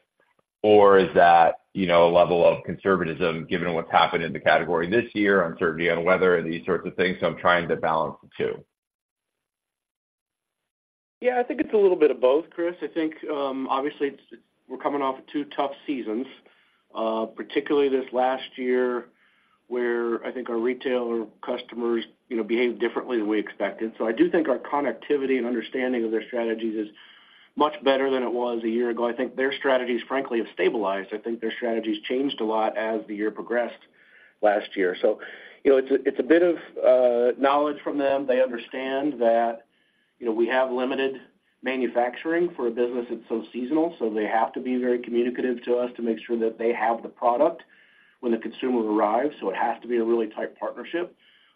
Or is that, you know, a level of conservatism, given what's happened in the category this year, uncertainty on weather and these sorts of things? So I'm trying to balance the two. Yeah, I think it's a little bit of both, Chris. I think, obviously, we're coming off of two tough seasons, particularly this last year, where I think our retailer customers, you know, behaved differently than we expected. So I do think our connectivity and understanding of their strategies is much better than it was a year ago. I think their strategies, frankly, have stabilized. I think their strategies changed a lot as the year progressed last year. So, you know, it's a, it's a bit of knowledge from them. They understand that, you know, we have limited manufacturing for a business that's so seasonal, so they have to be very communicative to us to make sure that they have the product when the consumer arrives. So it has to be a really tight partnership.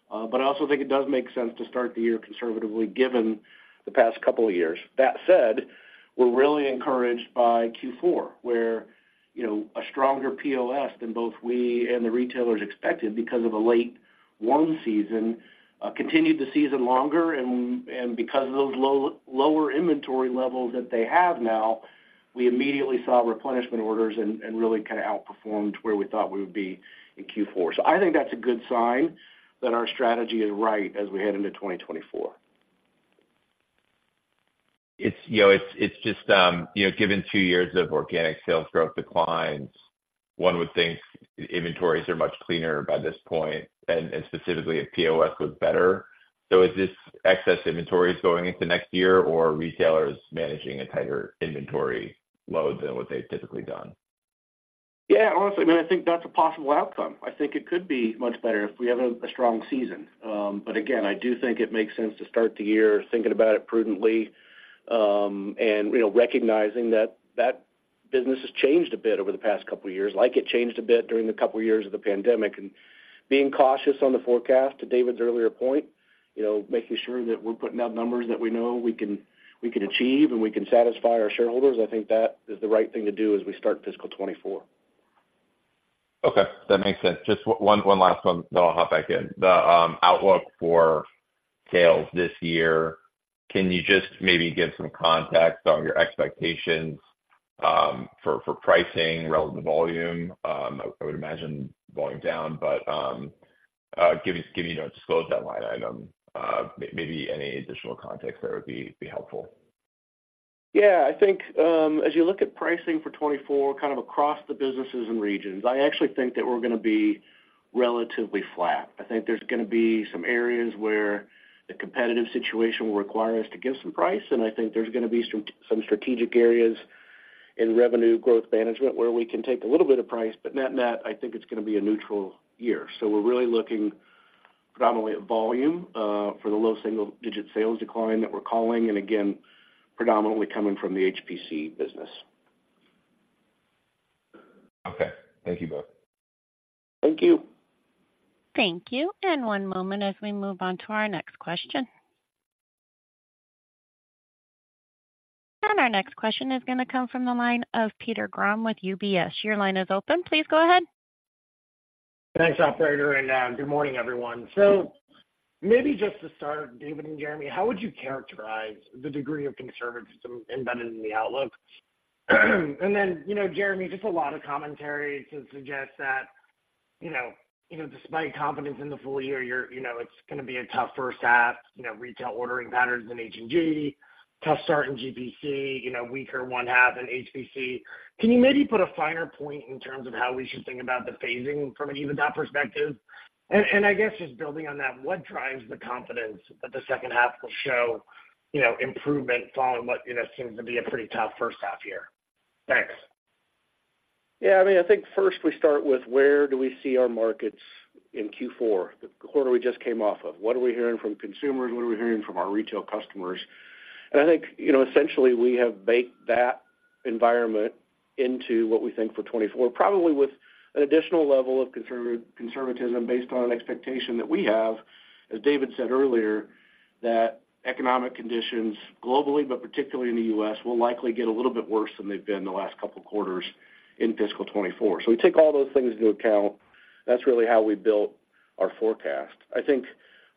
But I also think it does make sense to start the year conservatively, given the past couple of years. That said, we're really encouraged by Q4, where, you know, a stronger POS than both we and the retailers expected because of a late lawn season continued the season longer. And because of those lower inventory levels that they have now, we immediately saw replenishment orders and really kind of outperformed where we thought we would be in Q4. So I think that's a good sign that our strategy is right as we head into 2024. You know, it's just, you know, given two years of organic sales growth declines, one would think inventories are much cleaner by this point, and specifically if POS was better. So is this excess inventories going into next year, or retailers managing a tighter inventory load than what they've typically done? Yeah, honestly, I mean, I think that's a possible outcome. I think it could be much better if we have a strong season. But again, I do think it makes sense to start the year thinking about it prudently, and, you know, recognizing that that business has changed a bit over the past couple of years, like it changed a bit during the couple of years of the pandemic. Being cautious on the forecast, to David's earlier point, you know, making sure that we're putting out numbers that we know we can achieve and we can satisfy our shareholders, I think that is the right thing to do as we start fiscal 2024. Okay, that makes sense. Just one, one last one, then I'll hop back in. The outlook for sales this year, can you just maybe give some context on your expectations for pricing relative to volume? I would imagine going down, but giving you know disclose that line item, maybe any additional context that would be helpful. Yeah, I think, as you look at pricing for 2024, kind of across the businesses and regions, I actually think that we're gonna be relatively flat. I think there's gonna be some areas where the competitive situation will require us to give some price, and I think there's gonna be some strategic areas in revenue growth management, where we can take a little bit of price, but net-net, I think it's gonna be a neutral year. So we're really looking predominantly at volume, for the low single-digit sales decline that we're calling, and again, predominantly coming from the HPC business. Okay. Thank you, both. Thank you. Thank you. And one moment as we move on to our next question. And our next question is gonna come from the line of Peter Grom with UBS. Your line is open. Please go ahead. Thanks, operator, and good morning, everyone. So maybe just to start, David and Jeremy, how would you characterize the degree of conservatism embedded in the outlook? And then, you know, Jeremy, just a lot of commentary to suggest that, you know, despite confidence in the full year, you're, you know, it's gonna be a tough H1, you know, retail ordering patterns in H&G, tough start in GPC, you know, weaker one half in HPC. Can you maybe put a finer point in terms of how we should think about the phasing from an EBITDA perspective? And I guess, just building on that, what drives the confidence that the second half will show, you know, improvement following what, you know, seems to be a pretty tough H1 year? Thanks. Yeah, I mean, I think first we start with where do we see our markets in Q4, the quarter we just came off of? What are we hearing from consumers? What are we hearing from our retail customers? And I think, you know, essentially, we have baked that environment into what we think for 2024, probably with an additional level of conservatism based on an expectation that we have, as David said earlier, that economic conditions globally, but particularly in the U.S., will likely get a little bit worse than they've been the last couple of quarters in fiscal 2024. So we take all those things into account. That's really how we built our forecast. I think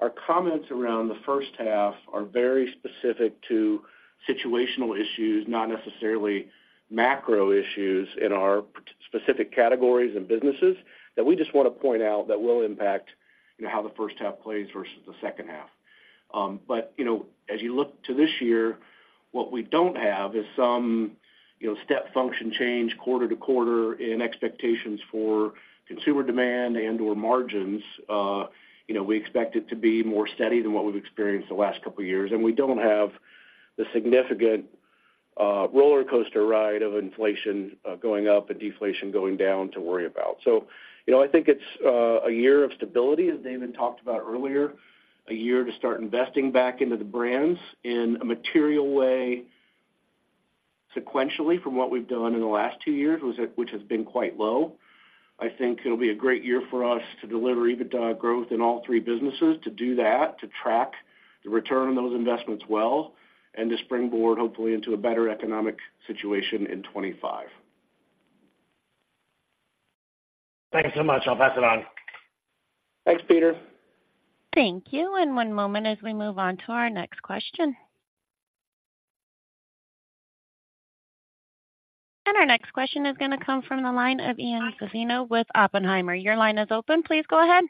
our comments around the H1 are very specific to situational issues, not necessarily macro issues in our specific categories and businesses, that we just want to point out that will impact, you know, how the H1 plays versus the H2. But, you know, as you look to this year, what we don't have is some, you know, step function change quarter to quarter in expectations for consumer demand and/or margins. You know, we expect it to be more steady than what we've experienced the last couple of years, and we don't have the significant rollercoaster ride of inflation going up and deflation going down to worry about. So, you know, I think it's a year of stability, as David talked about earlier, a year to start investing back into the brands in a material way sequentially from what we've done in the last two years, which has been quite low. I think it'll be a great year for us to deliver EBITDA growth in all three businesses, to do that, to track the return on those investments well, and to springboard, hopefully, into a better economic situation in 2025. Thank you so much. I'll pass it on. Thanks, Peter. Thank you. One moment as we move on to our next question. Our next question is gonna come from the line of Ian Zaffino with Oppenheimer. Your line is open. Please go ahead.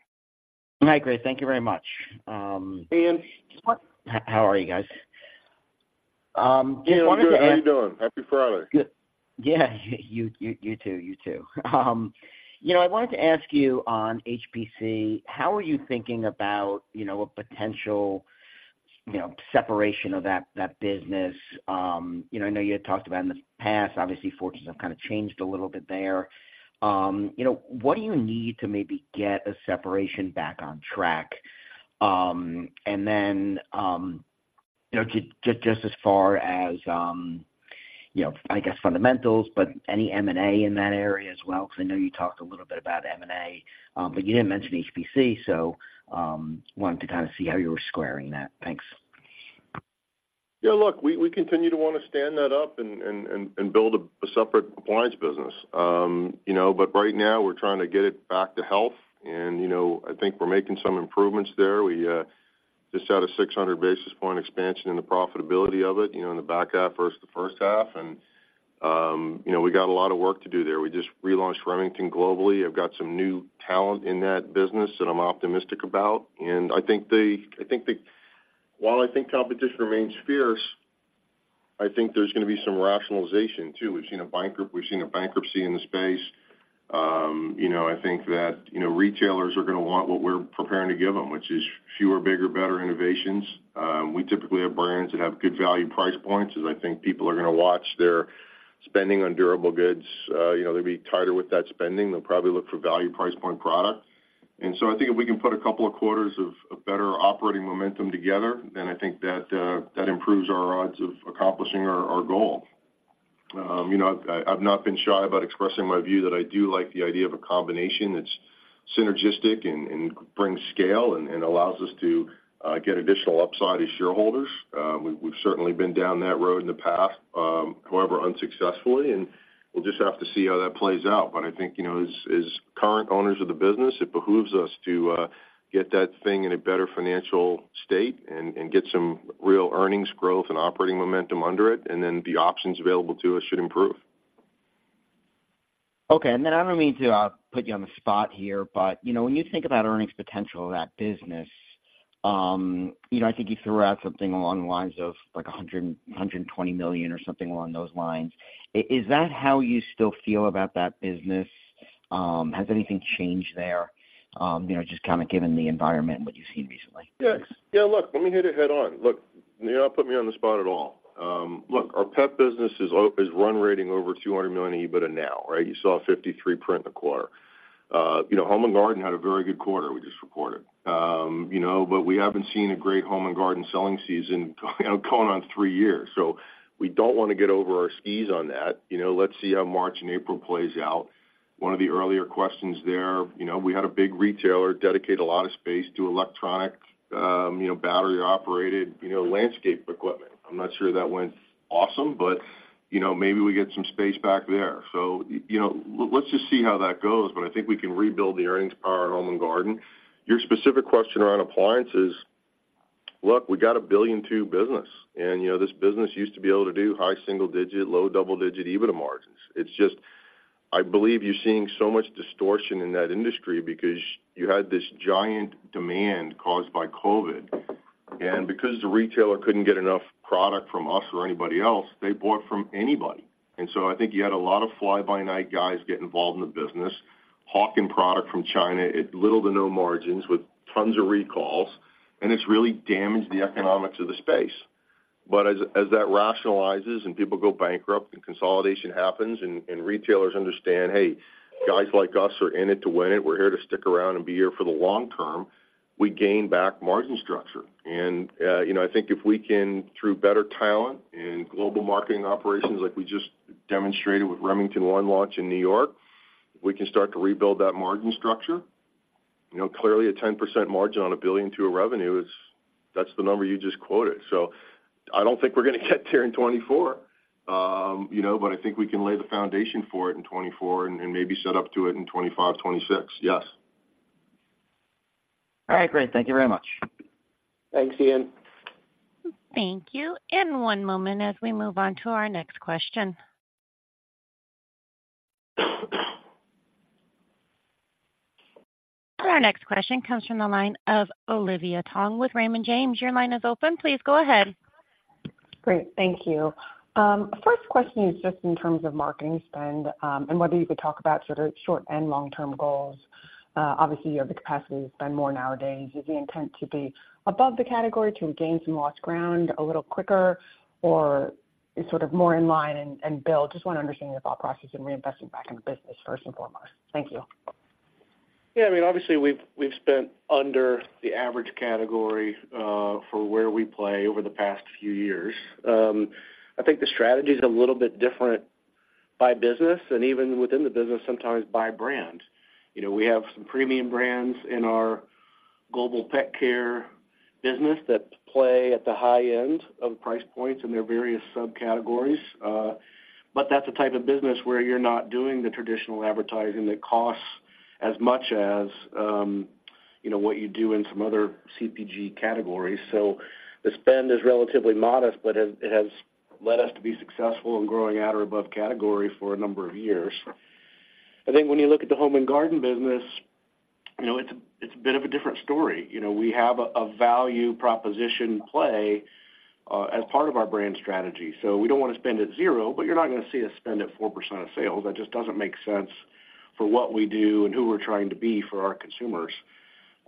Hi, great. Thank you very much. Hey, Ian. How are you guys? I wanted to ask- Good. How are you doing? Happy Friday. Good. Yeah, you too. You know, I wanted to ask you on HPC, how are you thinking about, you know, a potential, you know, separation of that business? You know, I know you had talked about in the past, obviously, fortunes have kind of changed a little bit there. You know, what do you need to maybe get a separation back on track? And then, you know, just as far as, you know, I guess, fundamentals, but any M&A in that area as well, because I know you talked a little bit about M&A, but you didn't mention HPC, so, wanted to kind of see how you were squaring that. Thanks. Yeah, look, we continue to want to stand that up and build a separate appliance business. You know, but right now, we're trying to get it back to health, and you know, I think we're making some improvements there. We just had a 600 basis point expansion in the profitability of it, you know, in the back half versus the H1. You know, we got a lot of work to do there. We just relaunched Remington globally. I've got some new talent in that business that I'm optimistic about, and I think while competition remains fierce, I think there's gonna be some rationalization, too. We've seen a bankruptcy in the space. You know, I think that, you know, retailers are gonna want what we're preparing to give them, which is fewer, bigger, better innovations. We typically have brands that have good value price points, as I think people are gonna watch their spending on durable goods. You know, they'll be tighter with that spending. They'll probably look for value price point product. And so I think if we can put a couple of quarters of better operating momentum together, then I think that that improves our odds of accomplishing our goal. You know, I've not been shy about expressing my view that I do like the idea of a combination that's synergistic and brings scale and allows us to get additional upside to shareholders. We've certainly been down that road in the past, however, unsuccessfully, and we'll just have to see how that plays out. But I think, you know, as current owners of the business, it behooves us to get that thing in a better financial state and get some real earnings growth and operating momentum under it, and then the options available to us should improve. Okay, and then I don't mean to put you on the spot here, but, you know, when you think about earnings potential of that business, you know, I think you threw out something along the lines of, like, $100-$120 million or something along those lines. Is that how you still feel about that business, has anything changed there? You know, just kind of given the environment and what you've seen recently? Yes. Yeah, look, let me hit it head on. Look, you know, don't put me on the spot at all. Look, our pet business is run rating over $200 million EBITDA now, right? You saw 53% in the quarter. You know, home and garden had a very good quarter we just reported. You know, but we haven't seen a great Home & Garden selling season, going on three years, so we don't want to get over our skis on that. You know, let's see how March and April plays out. One of the earlier questions there, you know, we had a big retailer dedicate a lot of space to electronic, you know, battery-operated, you know, landscape equipment. I'm not sure that went awesome, but, you know, maybe we get some space back there. So, you know, let's just see how that goes, but I think we can rebuild the earnings power in home and garden. Your specific question around appliances, look, we got a $1.2 billion business, and, you know, this business used to be able to do high single-digit, low double-digit EBITDA margins. It's just, I believe you're seeing so much distortion in that industry because you had this giant demand caused by COVID. And because the retailer couldn't get enough product from us or anybody else, they bought from anybody. And so I think you had a lot of fly-by-night guys get involved in the business, hawking product from China at little to no margins, with tons of recalls, and it's really damaged the economics of the space. But as that rationalizes and people go bankrupt and consolidation happens and retailers understand, hey, guys like us are in it to win it. We're here to stick around and be here for the long term, we gain back margin structure. And you know, I think if we can, through better talent and global marketing operations like we just demonstrated with Remington One launch in New York, we can start to rebuild that margin structure. You know, clearly, a 10% margin on $1.2 billion of revenue is that's the number you just quoted. So I don't think we're gonna get there in 2024, you know, but I think we can lay the foundation for it in 2024 and maybe set up to it in 2025, 2026. Yes. All right, great. Thank you very much. Thanks, Ian. Thank you. And one moment as we move on to our next question. Our next question comes from the line of Olivia Tong with Raymond James. Your line is open. Please go ahead. Great. Thank you. First question is just in terms of marketing spend, and whether you could talk about sort of short- and long-term goals. Obviously, you have the capacity to spend more nowadays. Is the intent to be above the category to gain some lost ground a little quicker, or sort of more in line and, and build? Just want to understand your thought process in reinvesting back in the business, first and foremost. Thank you. Yeah, I mean, obviously, we've spent under the average category for where we play over the past few years. I think the strategy is a little bit different by business and even within the business, sometimes by brand. You know, we have some premium brands in our Global Pet Care business that play at the high end of price points in their various subcategories. But that's the type of business where you're not doing the traditional advertising that costs as much as, you know, what you do in some other CPG categories. So the spend is relatively modest, but it has led us to be successful in growing at or above category for a number of years. I think when you look at the Home & Garden business, you know, it's a bit of a different story. You know, we have a value proposition play as part of our brand strategy. So we don't want to spend at zero, but you're not gonna see us spend at 4% of sales. That just doesn't make sense for what we do and who we're trying to be for our consumers.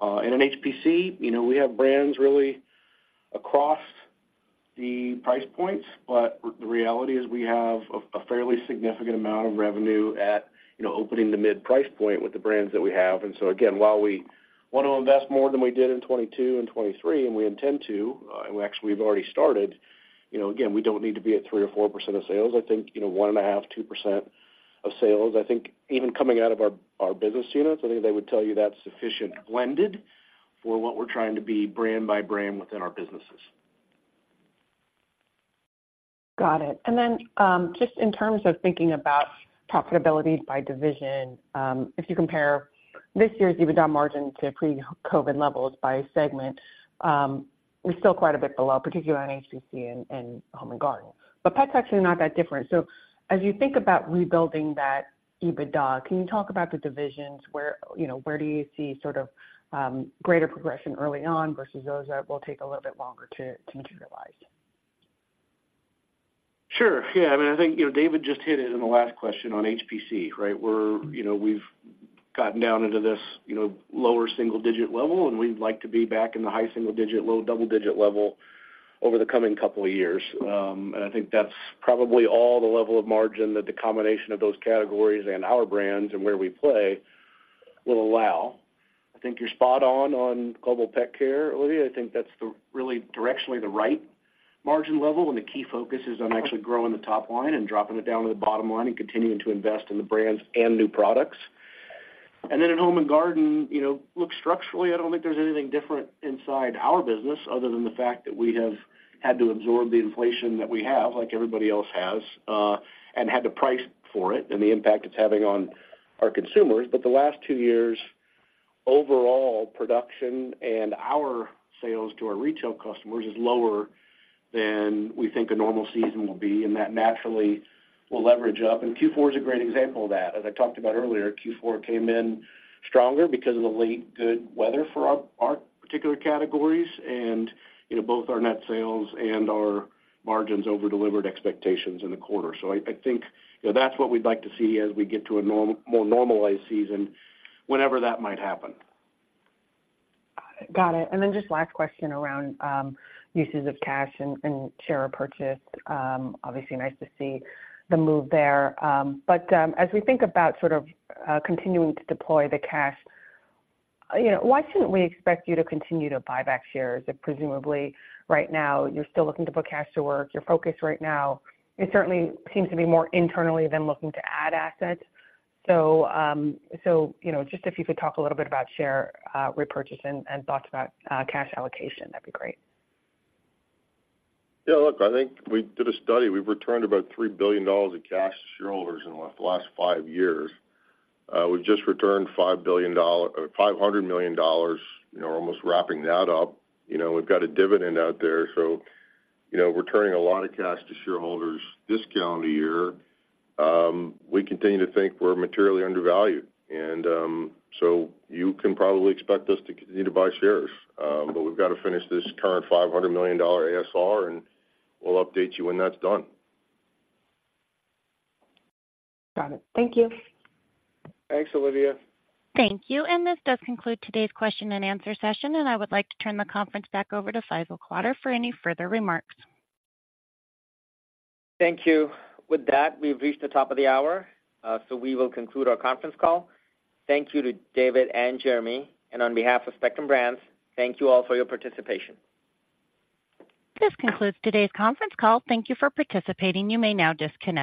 And in HPC, you know, we have brands really across the price points, but the reality is we have a fairly significant amount of revenue at, you know, in the mid-price point with the brands that we have. And so again, while we want to invest more than we did in 2022 and 2023, and we intend to, and we actually we've already started, you know, again, we don't need to be at 3% or 4% of sales. I think, you know, 1.5%, 2% of sales. I think even coming out of our business units, I think they would tell you that's sufficient blended for what we're trying to be brand by brand within our businesses. Got it. And then, just in terms of thinking about profitability by division, if you compare this year's EBITDA margin to pre-COVID levels by segment, we're still quite a bit below, particularly on HPC and, and home and garden. But pet's actually not that different. So as you think about rebuilding that EBITDA, can you talk about the divisions where, you know, where do you see sort of, greater progression early on versus those that will take a little bit longer to, to materialize? Sure. Yeah, I mean, I think, you know, David just hit it in the last question on HPC, right? We're, you know, we've gotten down into this, you know, lower single digit level, and we'd like to be back in the high single digit, low double digit level over the coming couple of years. And I think that's probably all the level of margin that the combination of those categories and our brands and where we play will allow. I think you're spot on Global Pet Care, Olivia. I think that's the really directionally the right margin level, and the key focus is on actually growing the top line and dropping it down to the bottom line and continuing to invest in the brands and new products. Then in Home & Garden, you know, look, structurally, I don't think there's anything different inside our business other than the fact that we have had to absorb the inflation that we have, like everybody else has, and had to price for it and the impact it's having on our consumers. But the last two years, overall production and our sales to our retail customers is lower than we think a normal season will be, and that naturally will leverage up. Q4 is a great example of that. As I talked about earlier, Q4 came in stronger because of the late good weather for our particular categories and, you know, both our net sales and our margins over-delivered expectations in the quarter. I think, you know, that's what we'd like to see as we get to a more normalized season, whenever that might happen. Got it. And then just last question around uses of cash and share purchase. Obviously, nice to see the move there. But as we think about sort of continuing to deploy the cash, you know, why shouldn't we expect you to continue to buy back shares? If presumably, right now, you're still looking to put cash to work, your focus right now, it certainly seems to be more internally than looking to add assets. So you know, just if you could talk a little bit about share repurchase and thoughts about cash allocation, that'd be great. Yeah, look, I think we did a study. We've returned about $3 billion of cash to shareholders in the last five years. We've just returned $500 billion, you know, almost wrapping that up. You know, we've got a dividend out there, so you know, returning a lot of cash to shareholders this calendar year. We continue to think we're materially undervalued, and, so you can probably expect us to continue to buy shares, but we've got to finish this current $500 million ASR, and we'll update you when that's done. Got it. Thank you. Thanks, Olivia. Thank you. This does conclude today's question and answer session, and I would like to turn the conference back over to Faisal Qadir for any further remarks. Thank you. With that, we've reached the top of the hour, so we will conclude our conference call. Thank you to David and Jeremy, and on behalf of Spectrum Brands, thank you all for your participation. This concludes today's conference call. Thank you for participating. You may now disconnect.